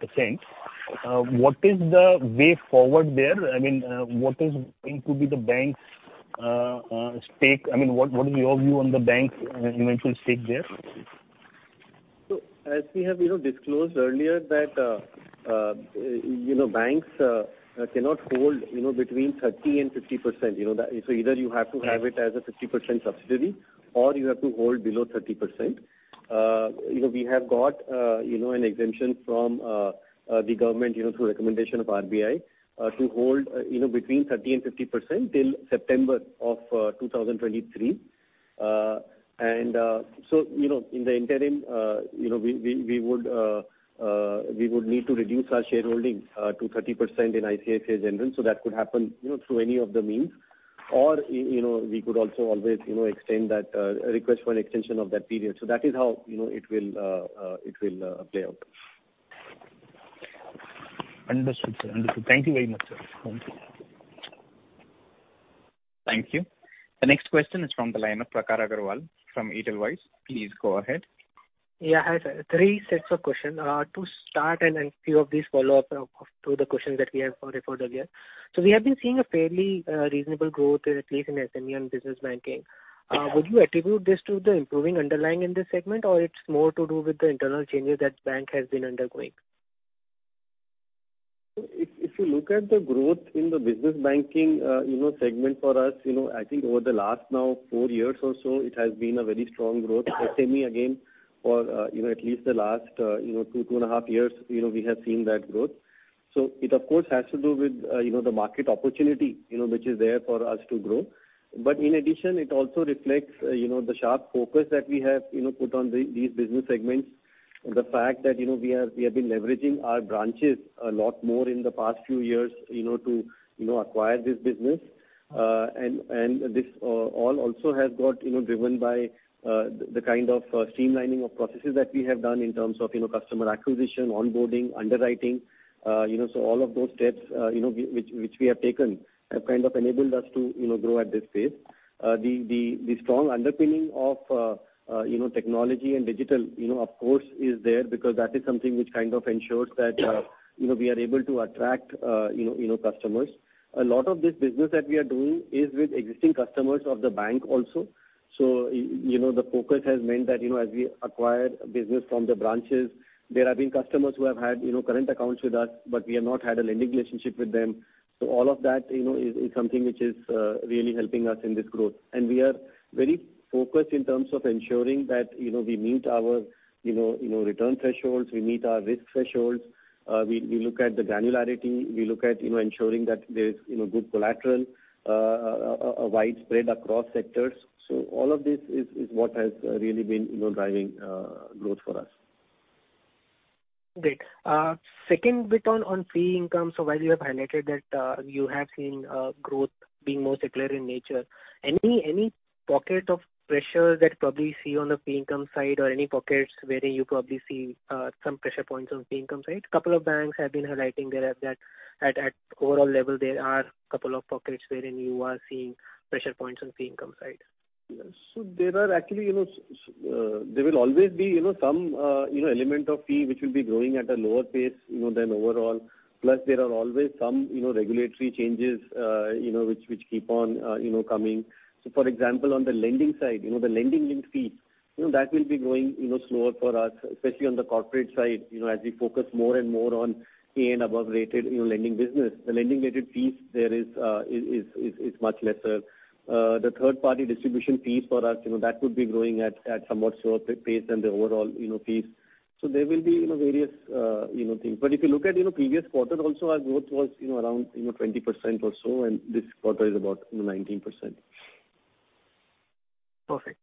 what is the way forward there? I mean, what is going to be the bank's stake? I mean, what is your view on the bank's eventual stake there? as we have, you know, disclosed earlier that, you know, banks cannot hold, you know, between 30% and 50%, you know. So either you have to have it- Right. as a 50% subsidiary or you have to hold below 30%. You know, we have got, you know, an exemption from the government, you know, through recommendation of RBI, to hold, you know, between 30% and 50% till September of 2023. You know, in the interim, you know, we would need to reduce our shareholding to 30% in ICICI General, so that could happen, you know, through any of the means. Or, you know, we could also always, you know, extend that request for an extension of that period. That is how, you know, it will play out. Understood, sir. Understood. Thank you very much, sir. Thank you. Thank you. The next question is from the line of Pranav Aggarwal from Edelweiss. Please go ahead. Yeah. Hi, sir. Three sets of questions. To start with, and a few of these follow up to the questions that we have referred earlier. We have been seeing a fairly reasonable growth, at least in SME and business banking. Would you attribute this to the improving underlying in this segment, or it's more to do with the internal changes that bank has been undergoing? If you look at the growth in the business banking, you know, segment for us, you know, I think over the last now four years or so, it has been a very strong growth. SME again for, you know, at least the last, you know, two and a half years, you know, we have seen that growth. It of course has to do with, you know, the market opportunity, you know, which is there for us to grow. In addition, it also reflects, you know, the sharp focus that we have, you know, put on these business segments. The fact that, you know, we have been leveraging our branches a lot more in the past few years, you know, to acquire this business. This all also has got you know driven by the kind of streamlining of processes that we have done in terms of you know customer acquisition, onboarding, underwriting. All of those steps which we have taken have kind of enabled us to you know grow at this pace. The strong underpinning of technology and digital of course is there because that is something which kind of ensures that you know we are able to attract you know customers. A lot of this business that we are doing is with existing customers of the bank also. You know, the focus has meant that, you know, as we acquire business from the branches, there have been customers who have had, you know, current accounts with us, but we have not had a lending relationship with them. All of that, you know, is something which is really helping us in this growth. We are very focused in terms of ensuring that, you know, we meet our, you know, you know, return thresholds, we meet our risk thresholds. We look at the granularity. We look at, you know, ensuring that there is, you know, good collateral, widespread across sectors. All of this is what has really been, you know, driving growth for us. Great. Second bit on fee income. While you have highlighted that you have seen growth being more secular in nature, any pocket of pressure that probably you see on the fee income side or any pockets wherein you probably see some pressure points on fee income side? Couple of banks have been highlighting there, at that overall level, there are a couple of pockets wherein you are seeing pressure points on fee income side. Yes. There are actually, you know, there will always be, you know, some, you know, element of fee which will be growing at a lower pace, you know, than overall. Plus there are always some, you know, regulatory changes, you know, which keep on, you know, coming. For example, on the lending side, you know, the lending-linked fees, you know, that will be growing, you know, slower for us, especially on the corporate side, you know, as we focus more and more on A and above rated, you know, lending business. The lending-related fees there is much lesser. The third party distribution fees for us, you know, that would be growing at somewhat slower pace than the overall, you know, fees. There will be, you know, various, you know, things. If you look at, you know, previous quarters also, our growth was, you know, around, you know, 20% or so, and this quarter is about, you know, 19%. Perfect.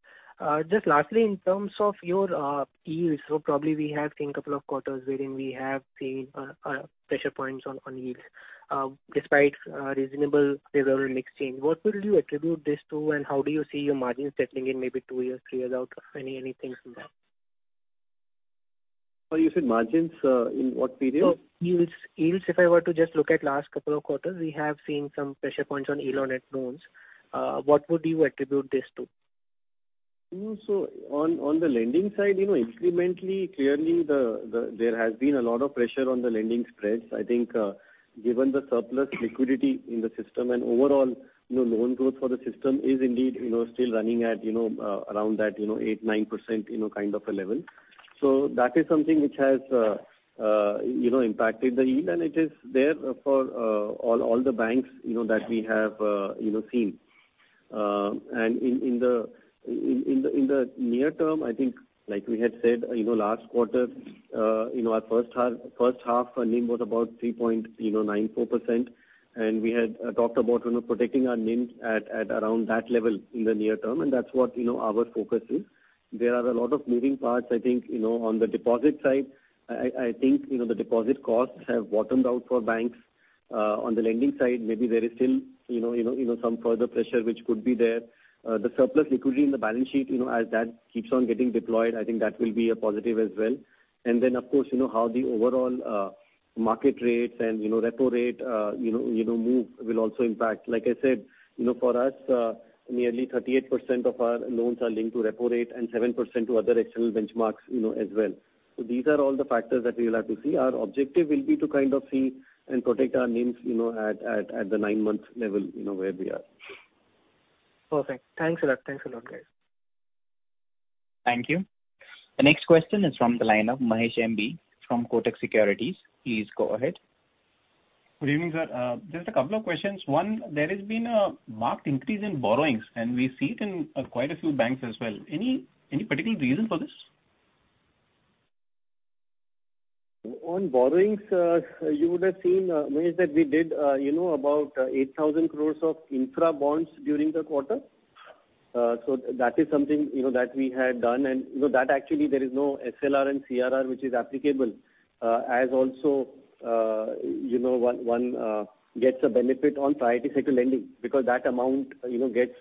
Just lastly, in terms of your yields. Probably we have seen couple of quarters wherein we have seen pressure points on yields, despite reasonable reserve and exchange. What would you attribute this to, and how do you see your margins settling in maybe two years, three years out? Anything from that? Oh, you said margins? In what period? Oh, yields. If I were to just look at last couple of quarters, we have seen some pressure points on yield on net loans. What would you attribute this to? On the lending side, you know, incrementally, clearly there has been a lot of pressure on the lending spreads. I think, given the surplus liquidity in the system and overall, you know, loan growth for the system is indeed, you know, still running at, you know, around that 8-9% kind of a level. That is something which has, you know, impacted the yield and it is there for all the banks, you know, that we have, you know, seen. In the near term, I think like we had said, you know, last quarter, you know, our first half NIM was about 3.94%. We had talked about, you know, protecting our NIM at around that level in the near term, and that's what, you know, our focus is. There are a lot of moving parts I think, you know, on the deposit side. I think, you know, the deposit costs have bottomed out for banks. On the lending side, maybe there is still, you know, some further pressure which could be there. The surplus liquidity in the balance sheet, you know, as that keeps on getting deployed, I think that will be a positive as well. Of course, you know, how the overall market rates and repo rate move will also impact. Like I said, you know, for us, nearly 38% of our loans are linked to repo rate and 7% to other external benchmarks, you know, as well. These are all the factors that we will have to see. Our objective will be to kind of see and protect our NIMs, you know, at the 9-month level, you know, where we are. Perfect. Thanks for that. Thanks a lot, guys. Thank you. The next question is from the line of M.B. Mahesh from Kotak Securities. Please go ahead. Good evening, sir. Just a couple of questions. One, there has been a marked increase in borrowings, and we see it in quite a few banks as well. Any particular reason for this? On borrowings, you would have seen, Mahesh, that we did, you know, about 8,000 crore of infra bonds during the quarter. So that is something, you know, that we had done and, you know, that actually there is no SLR and CRR which is applicable. As also, you know, one gets a benefit on priority sector lending because that amount, you know, gets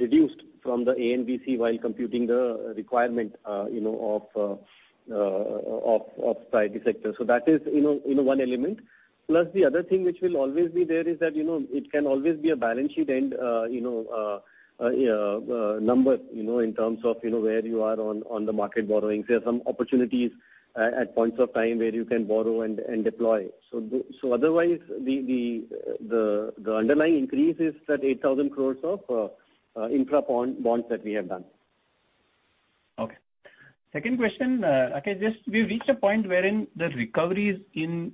reduced from the ANBC while computing the requirement, you know, of priority sector. So that is, you know, one element. Plus the other thing which will always be there is that, you know, it can always be a balance sheet and, you know, number, you know, in terms of, you know, where you are on the market borrowings. There are some opportunities at points of time where you can borrow and deploy. Otherwise, the underlying increase is that 8,000 crore of infra bonds that we have done. Okay. Second question. Just, we've reached a point wherein the recoveries in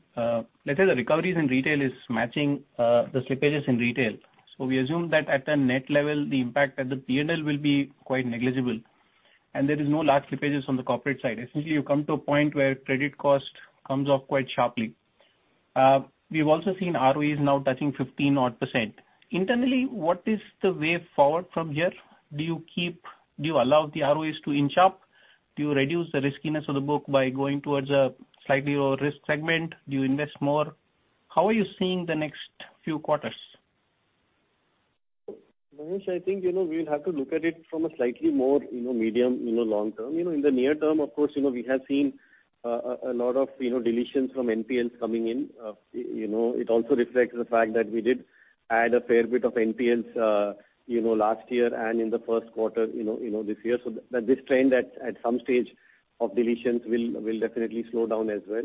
retail is matching the slippages in retail. We assume that at a net level the impact at the P&L will be quite negligible and there is no large slippages from the corporate side. Essentially, you've come to a point where credit cost comes off quite sharply. We've also seen ROEs now touching 15 odd %. Internally, what is the way forward from here? Do you allow the ROEs to inch up? Do you reduce the riskiness of the book by going towards a slightly lower risk segment? Do you invest more? How are you seeing the next few quarters? Mahesh, I think, you know, we'll have to look at it from a slightly more, you know, medium, you know, long term. You know, in the near term, of course, you know, we have seen a lot of, you know, deletions from NPLs coming in. You know, it also reflects the fact that we did add a fair bit of NPLs, you know, last year and in the first quarter, you know, this year. This trend at some stage of deletions will definitely slow down as well.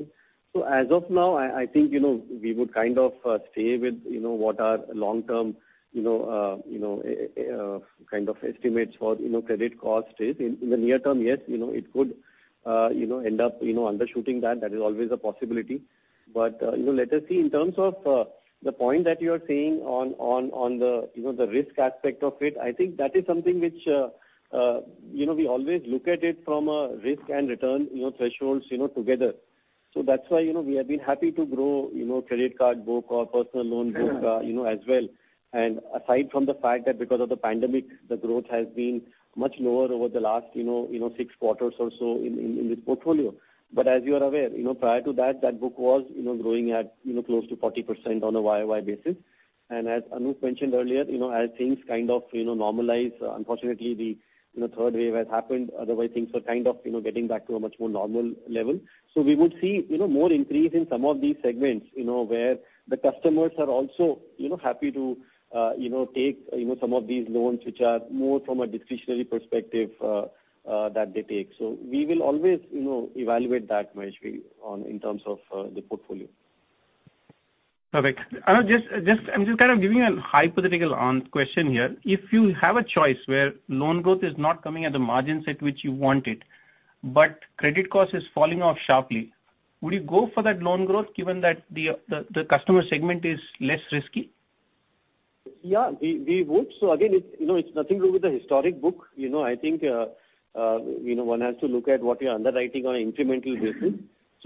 As of now, I think, you know, we would kind of stay with, you know, what our long-term, you know, kind of estimates for, you know, credit cost is. In the near term, yes, you know, it could end up, you know, undershooting that. That is always a possibility. You know, let us see. In terms of the point that you are saying on, you know, the risk aspect of it, I think that is something which, you know, we always look at it from a risk and return, you know, thresholds, you know, together. That's why, you know, we have been happy to grow, you know, credit card book or personal loan book, you know, as well. Aside from the fact that because of the pandemic, the growth has been much lower over the last, you know, six quarters or so in this portfolio. As you are aware, you know, prior to that book was, you know, growing at, you know, close to 40% on a YOY basis. As Anup mentioned earlier, you know, as things kind of, you know, normalize, unfortunately the, you know, third wave has happened, otherwise things were kind of, you know, getting back to a much more normal level. We would see, you know, more increase in some of these segments, you know, where the customers are also, you know, happy to, you know, take, you know, some of these loans which are more from a discretionary perspective, that they take. We will always, you know, evaluate that, Mahesh, we on in terms of the portfolio. Perfect. I'm just kind of giving you a hypothetical question here. If you have a choice where loan growth is not coming at the margin that you want it, but credit cost is falling off sharply, would you go for that loan growth given that the customer segment is less risky? Yeah, we would. Again, it's, you know, it's nothing to do with the historic book. You know, I think, you know, one has to look at what we are underwriting on an incremental basis.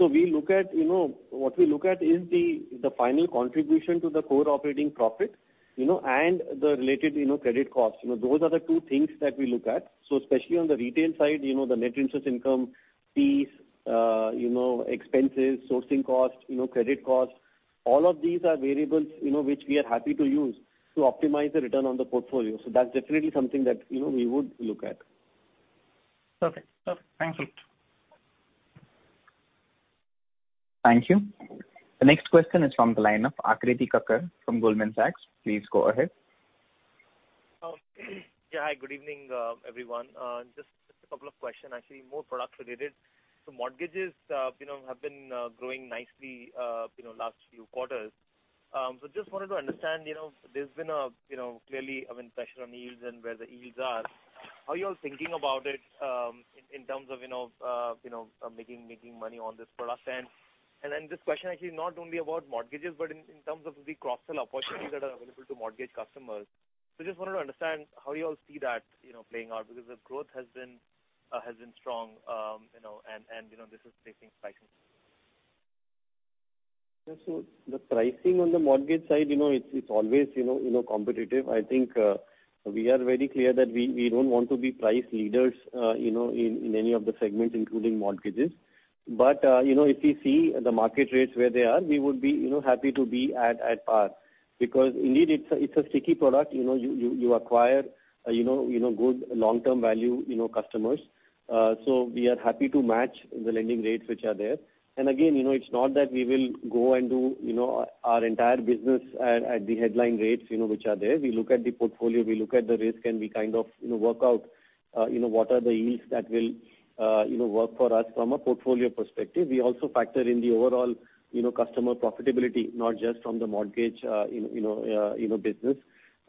We look at, you know, what we look at is the final contribution to the core operating profit, you know, and the related, you know, credit costs. You know, those are the two things that we look at. Especially on the retail side, you know, the net interest income fees, you know, expenses, sourcing costs, you know, credit costs, all of these are variables, you know, which we are happy to use to optimize the return on the portfolio. That's definitely something that, you know, we would look at. Okay. Thanks a lot. Thank you. The next question is from the line of Aakriti Kakkar from Goldman Sachs. Please go ahead. Yeah, hi, good evening, everyone. Just a couple of questions, actually more product related. Mortgages you know have been growing nicely you know last few quarters. Just wanted to understand you know there's been a you know clearly I mean pressure on yields and where the yields are. How are you all thinking about it in terms of you know making money on this product? And then this question actually not only about mortgages, but in terms of the cross-sell opportunities that are available to mortgage customers. Just wanted to understand how you all see that you know playing out, because the growth has been strong you know and this is taking pricing. The pricing on the mortgage side, you know, it's always, you know, competitive. I think, we are very clear that we don't want to be price leaders, you know, in any of the segments, including mortgages. You know, if we see the market rates where they are, we would be, you know, happy to be at par because indeed it's a sticky product. You know, you acquire, you know, good long-term value, you know, customers. We are happy to match the lending rates which are there. Again, you know, it's not that we will go and do, you know, our entire business at the headline rates, you know, which are there. We look at the portfolio, we look at the risk, and we kind of, you know, work out, you know, what are the yields that will, you know, work for us from a portfolio perspective. We also factor in the overall, you know, customer profitability, not just from the mortgage, you know, business.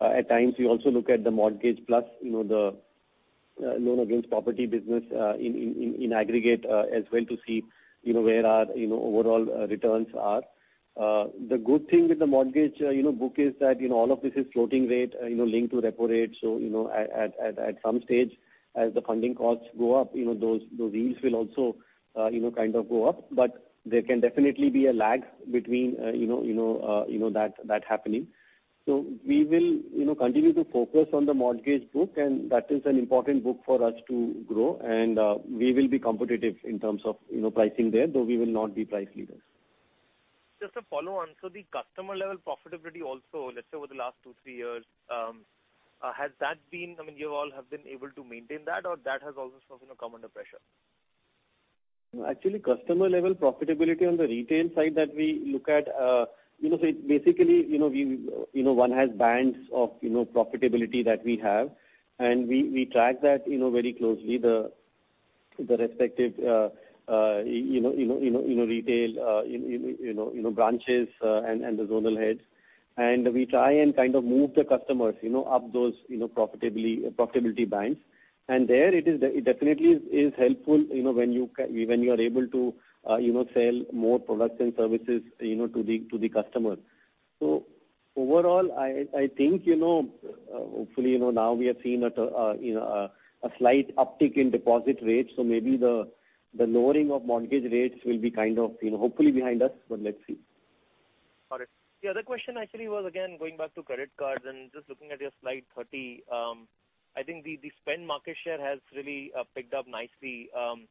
At times, we also look at the mortgage plus, you know, the, loan against property business, in aggregate, as well to see, you know, where our, you know, overall, returns are. The good thing with the mortgage, you know, book is that, you know, all of this is floating rate, you know, linked to repo rate. You know, at some stage, as the funding costs go up, you know, those yields will also, you know, kind of go up. There can definitely be a lag between, you know, that happening. We will, you know, continue to focus on the mortgage book, and that is an important book for us to grow. We will be competitive in terms of, you know, pricing there, though we will not be price leaders. Just a follow on. The customer level profitability also, let's say over the last two, three years, has that been, I mean, you all have been able to maintain that or that has also sort of, you know, come under pressure? Actually, customer level profitability on the retail side that we look at, you know, so it basically, you know, we have bands of profitability that we have, and we track that very closely, the respective retail branches and the zonal heads. We try and kind of move the customers up those profitability bands. There it definitely is helpful, you know, when you are able to sell more products and services to the customer. Overall, I think, you know, hopefully, you know, now we are seeing at a slight uptick in deposit rates. Maybe the lowering of mortgage rates will be kind of, you know, hopefully behind us, but let's see. All right. The other question actually was, again, going back to credit cards and just looking at your slide 30, I think the spend market share has really picked up nicely. But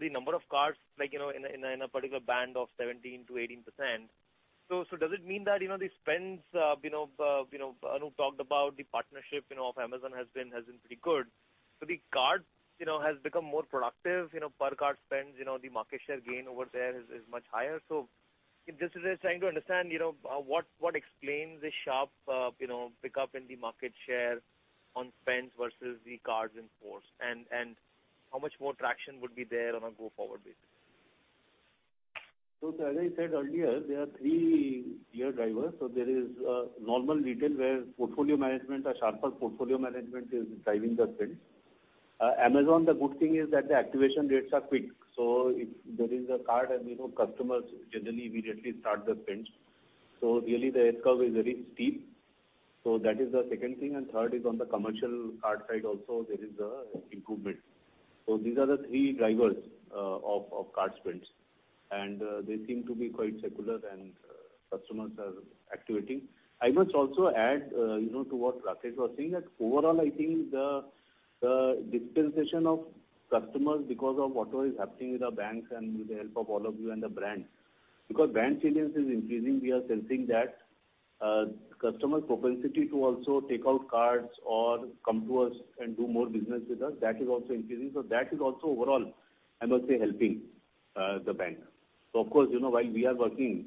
the number of cards like, you know, in a particular band of 17%-18%. So does it mean that, you know, the spends, you know, Anup talked about the partnership, you know, of Amazon has been pretty good. So the card, you know, has become more productive. You know, per card spends, you know, the market share gain over there is much higher. Just trying to understand, you know, what explains the sharp, you know, pickup in the market share on spends versus the cards in force and how much more traction would be there on a go-forward basis? As I said earlier, there are three key drivers. There is normal retail where portfolio management or sharper portfolio management is driving the spend. Amazon, the good thing is that the activation rates are quick. If there is a card and, you know, customers generally immediately start the spends. Really the S-curve is very steep. That is the second thing and third is on the commercial card side also there is an improvement. These are the three drivers of card spends. They seem to be quite secular and customers are activating. I must also add, you know, to what Rakesh was saying, that overall I think the diversification of customers because of whatever is happening with the banks and with the help of all of you and the brands. Because bank changes is increasing, we are sensing that. Customer's propensity to also take out cards or come to us and do more business with us, that is also increasing. That is also overall, I must say, helping the bank. Of course, you know, while we are working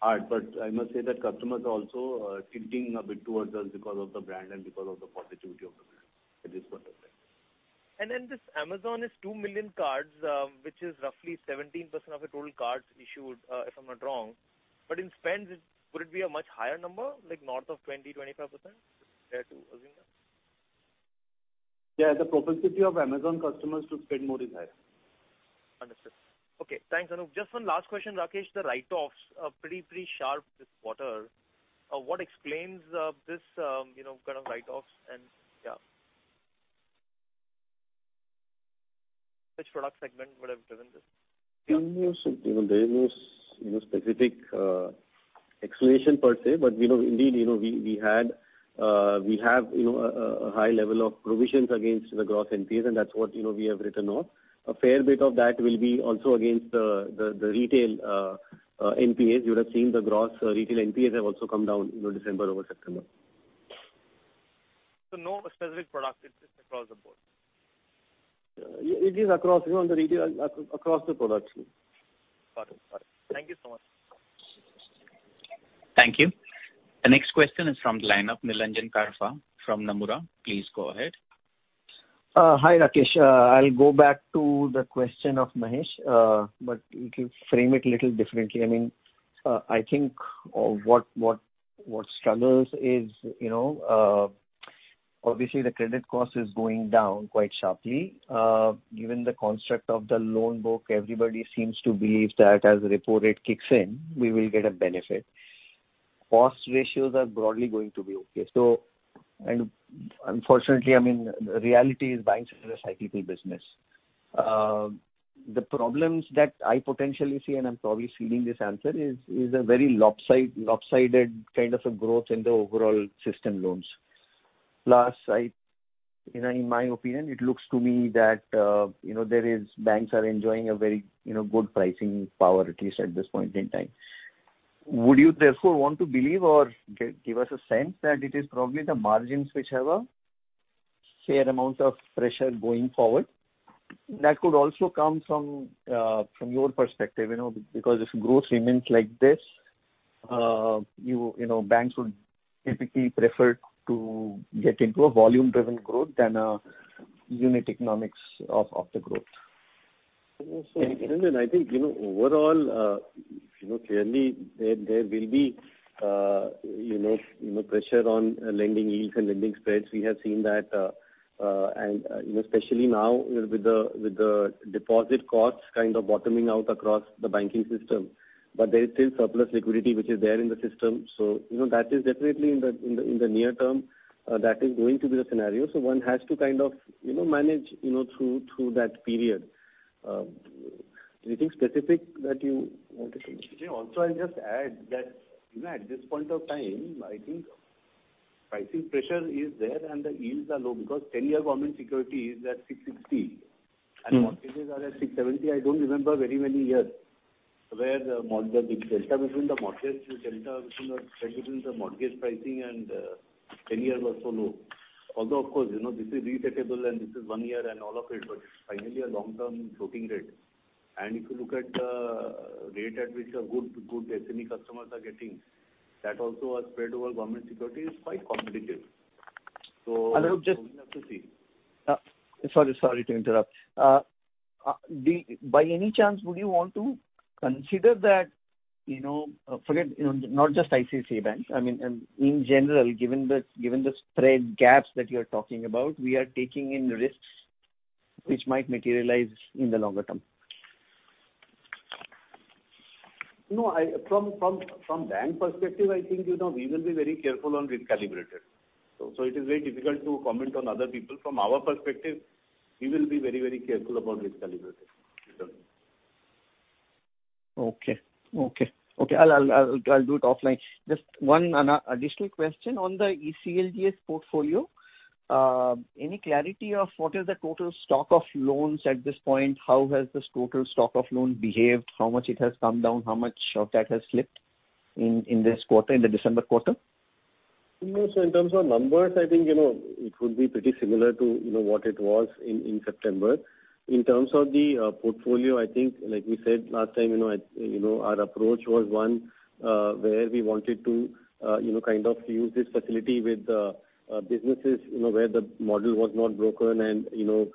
hard, but I must say that customers are also tilting a bit towards us because of the brand and because of the positivity of the brand. It is what it is. This Amazon is 2 million cards, which is roughly 17% of the total cards issued, if I'm not wrong. In spends, would it be a much higher number, like north of 20%-25%? Fair to assume that? Yeah. The propensity of Amazon customers to spend more is higher. Understood. Okay, thanks, Anup. Just one last question, Rakesh. The write-offs are pretty sharp this quarter. What explains this, you know, kind of write-offs and, yeah. Which product segment would have driven this? You know, there is no specific explanation per se, but we know indeed, you know, we had, we have, you know, a high level of provisions against the gross NPAs, and that's what, you know, we have written off. A fair bit of that will be also against the retail NPAs. You would have seen the gross retail NPAs have also come down, you know, December over September. No specific product, it's just across the board? It is across, you know, the retail across the products. Got it. Thank you so much. Thank you. The next question is from the line of Nilanjan Karfa from Nomura. Please go ahead. Hi, Rakesh. I'll go back to the question of Mahesh, if you frame it a little differently. I mean, I think what struggles is, you know, obviously the credit cost is going down quite sharply. Given the construct of the loan book, everybody seems to believe that as the repo rate kicks in, we will get a benefit. Cost ratios are broadly going to be okay. Unfortunately, I mean, reality is banks is a cyclical business. The problems that I potentially see, and I'm probably stealing this answer, is a very lopsided kind of a growth in the overall system loans. Plus I, you know, in my opinion, it looks to me that, you know, there is banks are enjoying a very, you know, good pricing power, at least at this point in time. Would you therefore want to believe or give us a sense that it is probably the margins which have a fair amount of pressure going forward? That could also come from your perspective, you know, because if growth remains like this, you know, banks would typically prefer to get into a volume-driven growth than a unit economics of the growth. Nilanjan, I think, you know, overall, you know, clearly there will be, you know, pressure on lending yields and lending spreads. We have seen that, and, you know, especially now with the deposit costs kind of bottoming out across the banking system. There is still surplus liquidity which is there in the system. You know, that is definitely in the near term, that is going to be the scenario. One has to kind of, you know, manage, you know, through that period. Anything specific that you want to say? Also, I'll just add that, you know, at this point of time, I think pricing pressure is there and the yields are low because ten-year government security is at 6.60 and mortgages are at 6.70. I don't remember very many years where the delta between the mortgage pricing and ten-year was so low. Although, of course, you know, this is resettable and this is one year and all of it, but it's finally a long-term floating rate. If you look at the rate at which a good SME customers are getting, that also a spread over government securities is quite competitive. Anup, just- We have to see. Sorry to interrupt. Do, by any chance, would you want to consider that, you know, forget, you know, not just ICICI Bank, I mean, in general, given the spread gaps that you're talking about, we are taking in risks which might materialize in the longer term? No, from bank perspective, I think, you know, we will be very careful on recalibration. It is very difficult to comment on other people. From our perspective, we will be very careful about recalibration. Okay, I'll do it offline. Just one additional question on the ECLGS portfolio. Any clarity on what is the total stock of loans at this point? How has this total stock of loans behaved? How much has it come down? How much of that has slipped in this quarter, in the December quarter? No, in terms of numbers, I think, you know, it would be pretty similar to, you know, what it was in September. In terms of the portfolio, I think, like we said last time, you know, our approach was one where we wanted to, you know, kind of use this facility with businesses, you know, where the model was not broken and, you know,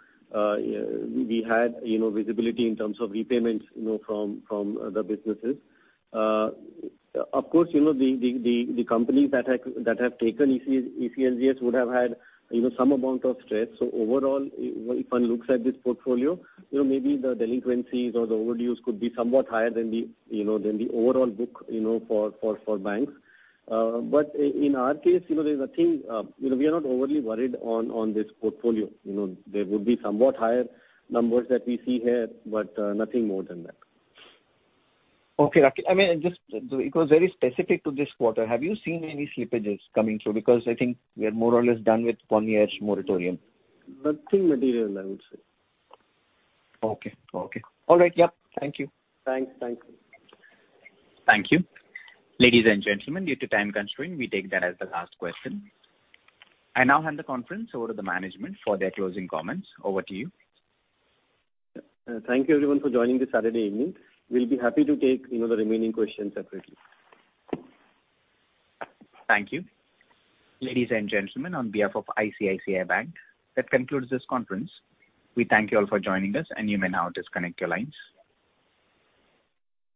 we had, you know, visibility in terms of repayments, you know, from the businesses. Of course, you know, the companies that have taken ECLGS would have had, you know, some amount of stress. Overall, if one looks at this portfolio, you know, maybe the delinquencies or the overdues could be somewhat higher than the overall book, you know, for banks. But in our case, you know, there's nothing, you know, we are not overly worried on this portfolio. You know, there would be somewhat higher numbers that we see here, but nothing more than that. Okay, Rakesh. I mean, just it was very specific to this quarter. Have you seen any slippages coming through? Because I think we are more or less done with one-year moratorium. Nothing material, I would say. Okay. All right, yep. Thank you. Thanks. Thank you. Thank you. Ladies and gentlemen, due to time constraint, we take that as the last question. I now hand the conference over to the management for their closing comments. Over to you. Thank you everyone for joining this Saturday evening. We'll be happy to take, you know, the remaining questions separately. Thank you. Ladies and gentlemen, on behalf of ICICI Bank, that concludes this conference. We thank you all for joining us, and you may now disconnect your lines.